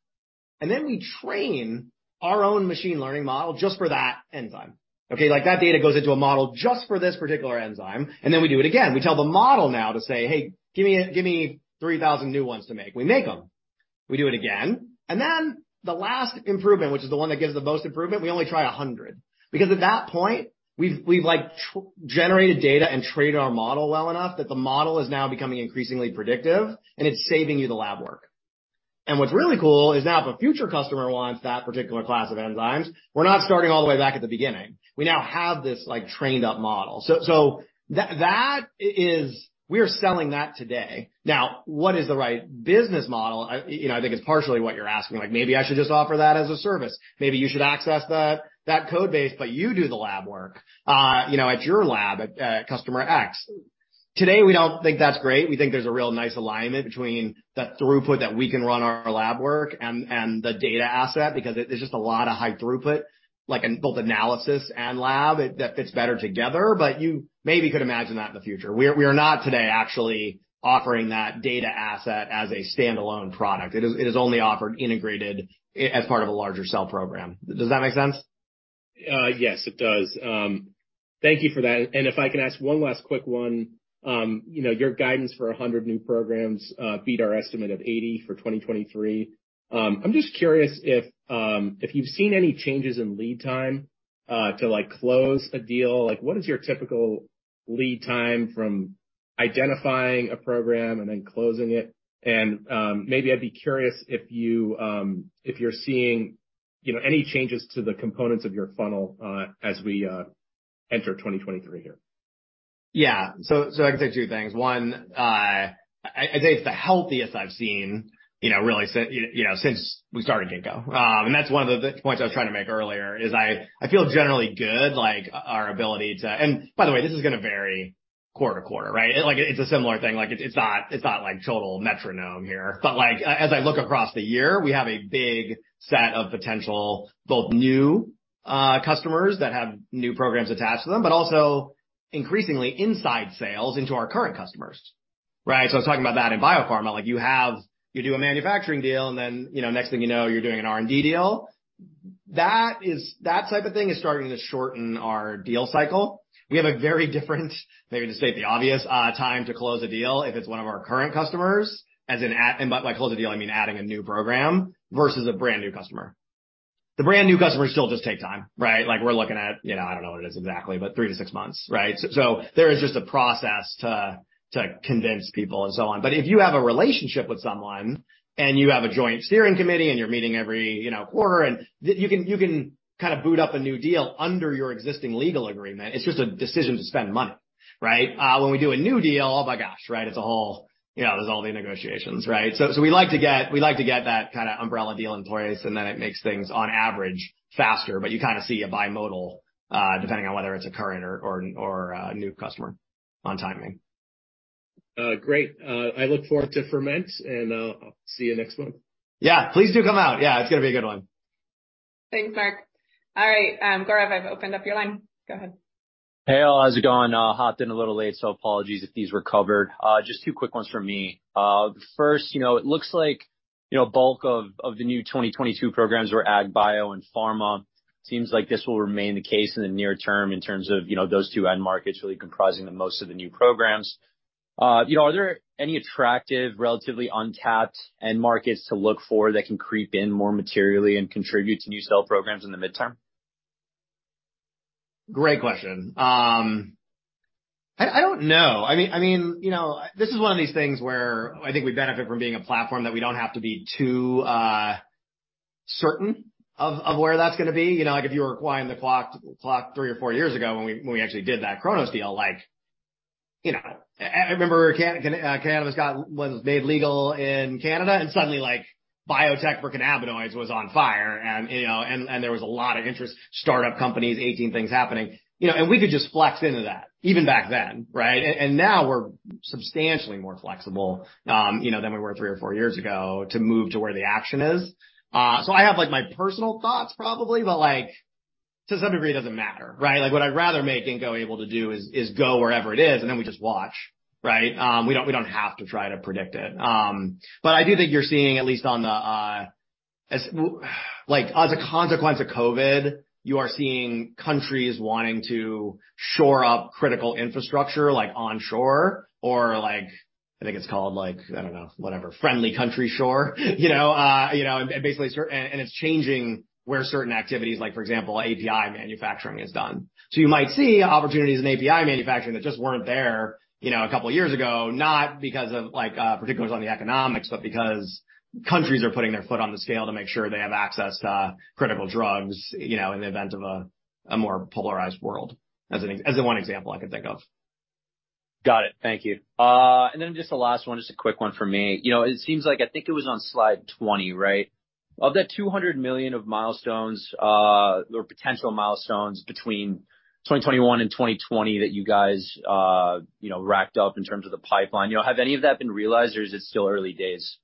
Then we train our own machine learning model just for that enzyme. Okay? Like, that data goes into a model just for this particular enzyme, then we do it again. We tell the model now to say, "Hey, give me 3,000 new ones to make." We make them. We do it again. The last improvement, which is the one that gives the most improvement, we only try 100. Because at that point, we've, like, generated data and trained our model well enough that the model is now becoming increasingly predictive, and it's saving you the lab work. What's really cool is now if a future customer wants that particular class of enzymes, we're not starting all the way back at the beginning. We now have this, like, trained up model. That is. We are selling that today. What is the right business model? I, you know, I think it's partially what you're asking. Like, maybe I should just offer that as a service. Maybe you should access that Codebase, but you do the lab work, you know, at your lab at customer X. Today, we don't think that's great. We think there's a real nice alignment between the throughput that we can run our lab work and the data asset because there's just a lot of high throughput, like, in both analysis and lab that fits better together. You maybe could imagine that in the future. We are not today actually offering that data asset as a standalone product. It is only offered integrated as part of a larger cell program. Does that make sense? Yes, it does. Thank you for that. If I can ask one last quick one. You know, your guidance for 100 new programs beat our estimate of 80 for 2023. I'm just curious if you've seen any changes in lead time to, like, close a deal. Like, what is your typical lead time from identifying a program and then closing it? Maybe I'd be curious if you're seeing, you know, any changes to the components of your funnel as we enter 2023 here. Yeah. I can say 2 things. One, I'd say it's the healthiest I've seen, you know, since we started Ginkgo. That's one of the points I was trying to make earlier, is I feel generally good, like, our ability to... By the way, this is gonna vary quarter to quarter, right? It's a similar thing. It's not like total metronome here. Like, as I look across the year, we have a big set of potential, both new customers that have new programs attached to them, but also increasingly inside sales into our current customers, right? I was talking about that in biopharma. You do a manufacturing deal, and then, you know, next thing you know, you're doing an R&D deal. That type of thing is starting to shorten our deal cycle. We have a very different, maybe to state the obvious, time to close a deal if it's one of our current customers. Like, close the deal, I mean, adding a new program versus a brand new customer. The brand new customers still just take time, right? Like we're looking at, you know, I don't know what it is exactly, but three to six months, right? There is just a process to convince people and so on. If you have a relationship with someone and you have a joint steering committee and you're meeting every, you know, quarter, and you can, you can kind of boot up a new deal under your existing legal agreement. It's just a decision to spend money, right? When we do a new deal, oh my gosh, right? You know, there's all the negotiations, right? We like to get that kinda umbrella deal in place, and then it makes things on average faster. You kinda see a bimodal, depending on whether it's a current or a new customer on timing. Great. I look forward to Ferment, and I'll see you next month. Yeah, please do come out. Yeah, it's gonna be a good one. Thanks, Mark. All right, Gaurav, I've opened up your line. Go ahead. Hey, all. How's it going? hopped in a little late, so apologies if these were covered. Just 2 quick ones from me. First, you know, it looks like, you know, bulk of the new 2022 programs were ag, bio, and pharma. Seems like this will remain the case in the near term in terms of, you know, those 2 end markets really comprising the most of the new programs. You know, are there any attractive, relatively untapped end markets to look for that can creep in more materially and contribute to new cell programs in the midterm? Great question. I don't know. I mean, you know, this is one of these things where I think we benefit from being a platform that we don't have to be too certain of where that's gonna be. You know, like if you were requiring the clock three or four years ago when we actually did that Cronos deal, like, you know, I remember cannabis was made legal in Canada, and suddenly, like, biotech for cannabinoids was on fire. You know, there was a lot of interest, startup companies, 18 things happening. You know, we could just flex into that even back then, right? Now we're substantially more flexible, you know, than we were three or four years ago to move to where the action is. I have, like, my personal thoughts probably, but like, to some degree, it doesn't matter, right? Like, what I'd rather make Ginkgo able to do is go wherever it is, and then we just watch, right? We don't, we don't have to try to predict it. I do think you're seeing, at least on the, like, as a consequence of COVID, you are seeing countries wanting to shore up critical infrastructure like onshore or like, I think it's called like, I don't know, whatever friendly country shore. You know, you know, and basically and it's changing where certain activities like for example, API manufacturing is done. You might see opportunities in API manufacturing that just weren't there, you know, 2 years ago, not because of like particulars on the economics, but because countries are putting their foot on the scale to make sure they have access to critical drugs, you know, in the event of a more polarized world, as the one example I can think of. Got it. Thank you. Just the last one, just a quick one for me. You know, it seems like I think it was on slide 20, right? Of that $200 million of milestones, or potential milestones between 2021 and 2020 that you guys, you know, racked up in terms of the pipeline. You know, have any of that been realized or is it still early days?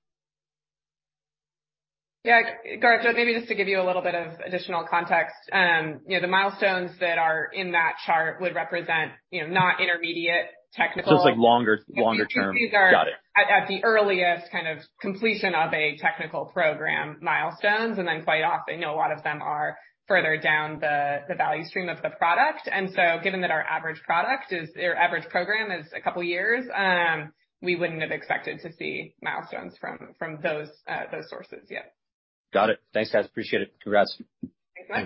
Yeah. Garth, maybe just to give you a little bit of additional context. You know, the milestones that are in that chart would represent, you know, not intermediate. It's like longer term. Got it. These are at the earliest kind of completion of a technical program milestones. Quite often, you know, a lot of them are further down the value stream of the product. Given that our average product is or average program is 2 years, we wouldn't have expected to see milestones from those sources yet. Got it. Thanks, guys. Appreciate it. Congrats. Thanks much.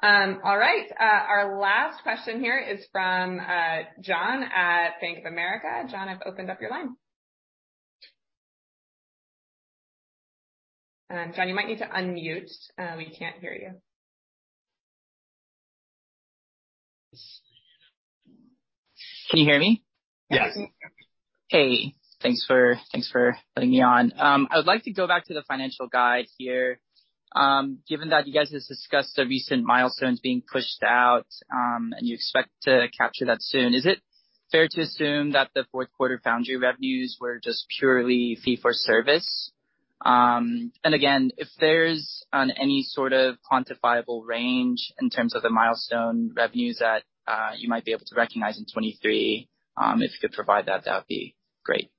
Thanks. All right. Our last question here is from John at Bank of America. John, I've opened up your line. John, you might need to unmute. We can't hear you. Can you hear me? Yes. Yes. Hey, thanks for putting me on. I would like to go back to the financial guide here. Given that you guys just discussed the recent milestones being pushed out, and you expect to capture that soon, is it fair to assume that the Q4 Foundry revenues were just purely fee for service? Again, if there's any sort of quantifiable range in terms of the milestone revenues that you might be able to recognize in 2023, if you could provide that would be great.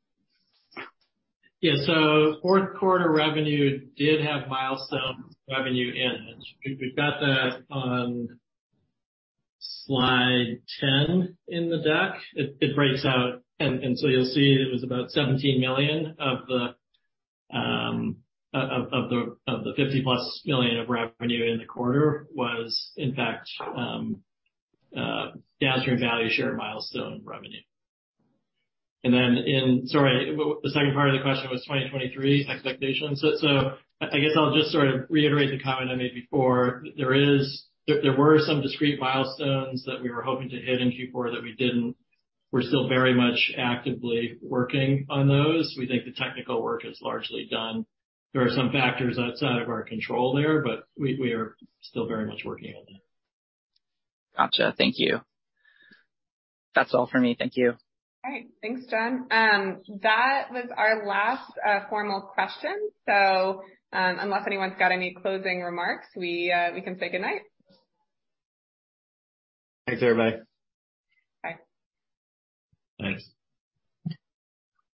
Yeah. Q4 revenue did have milestone revenue in it. We've got that on slide 10 in the deck. It breaks out, you'll see it was about $17 million of the $50+ million of revenue in the quarter was in fact downstream value share milestone revenue. The second part of the question was 2023 expectations. I guess I'll just sort of reiterate the comment I made before. There were some discrete milestones that we were hoping to hit in Q4 that we didn't. We're still very much actively working on those. We think the technical work is largely done. There are some factors outside of our control there, but we are still very much working on that. Gotcha. Thank you. That's all for me. Thank you. All right. Thanks, John. That was our last formal question. Unless anyone's got any closing remarks, we can say good night. Thanks, everybody. Bye. Thanks.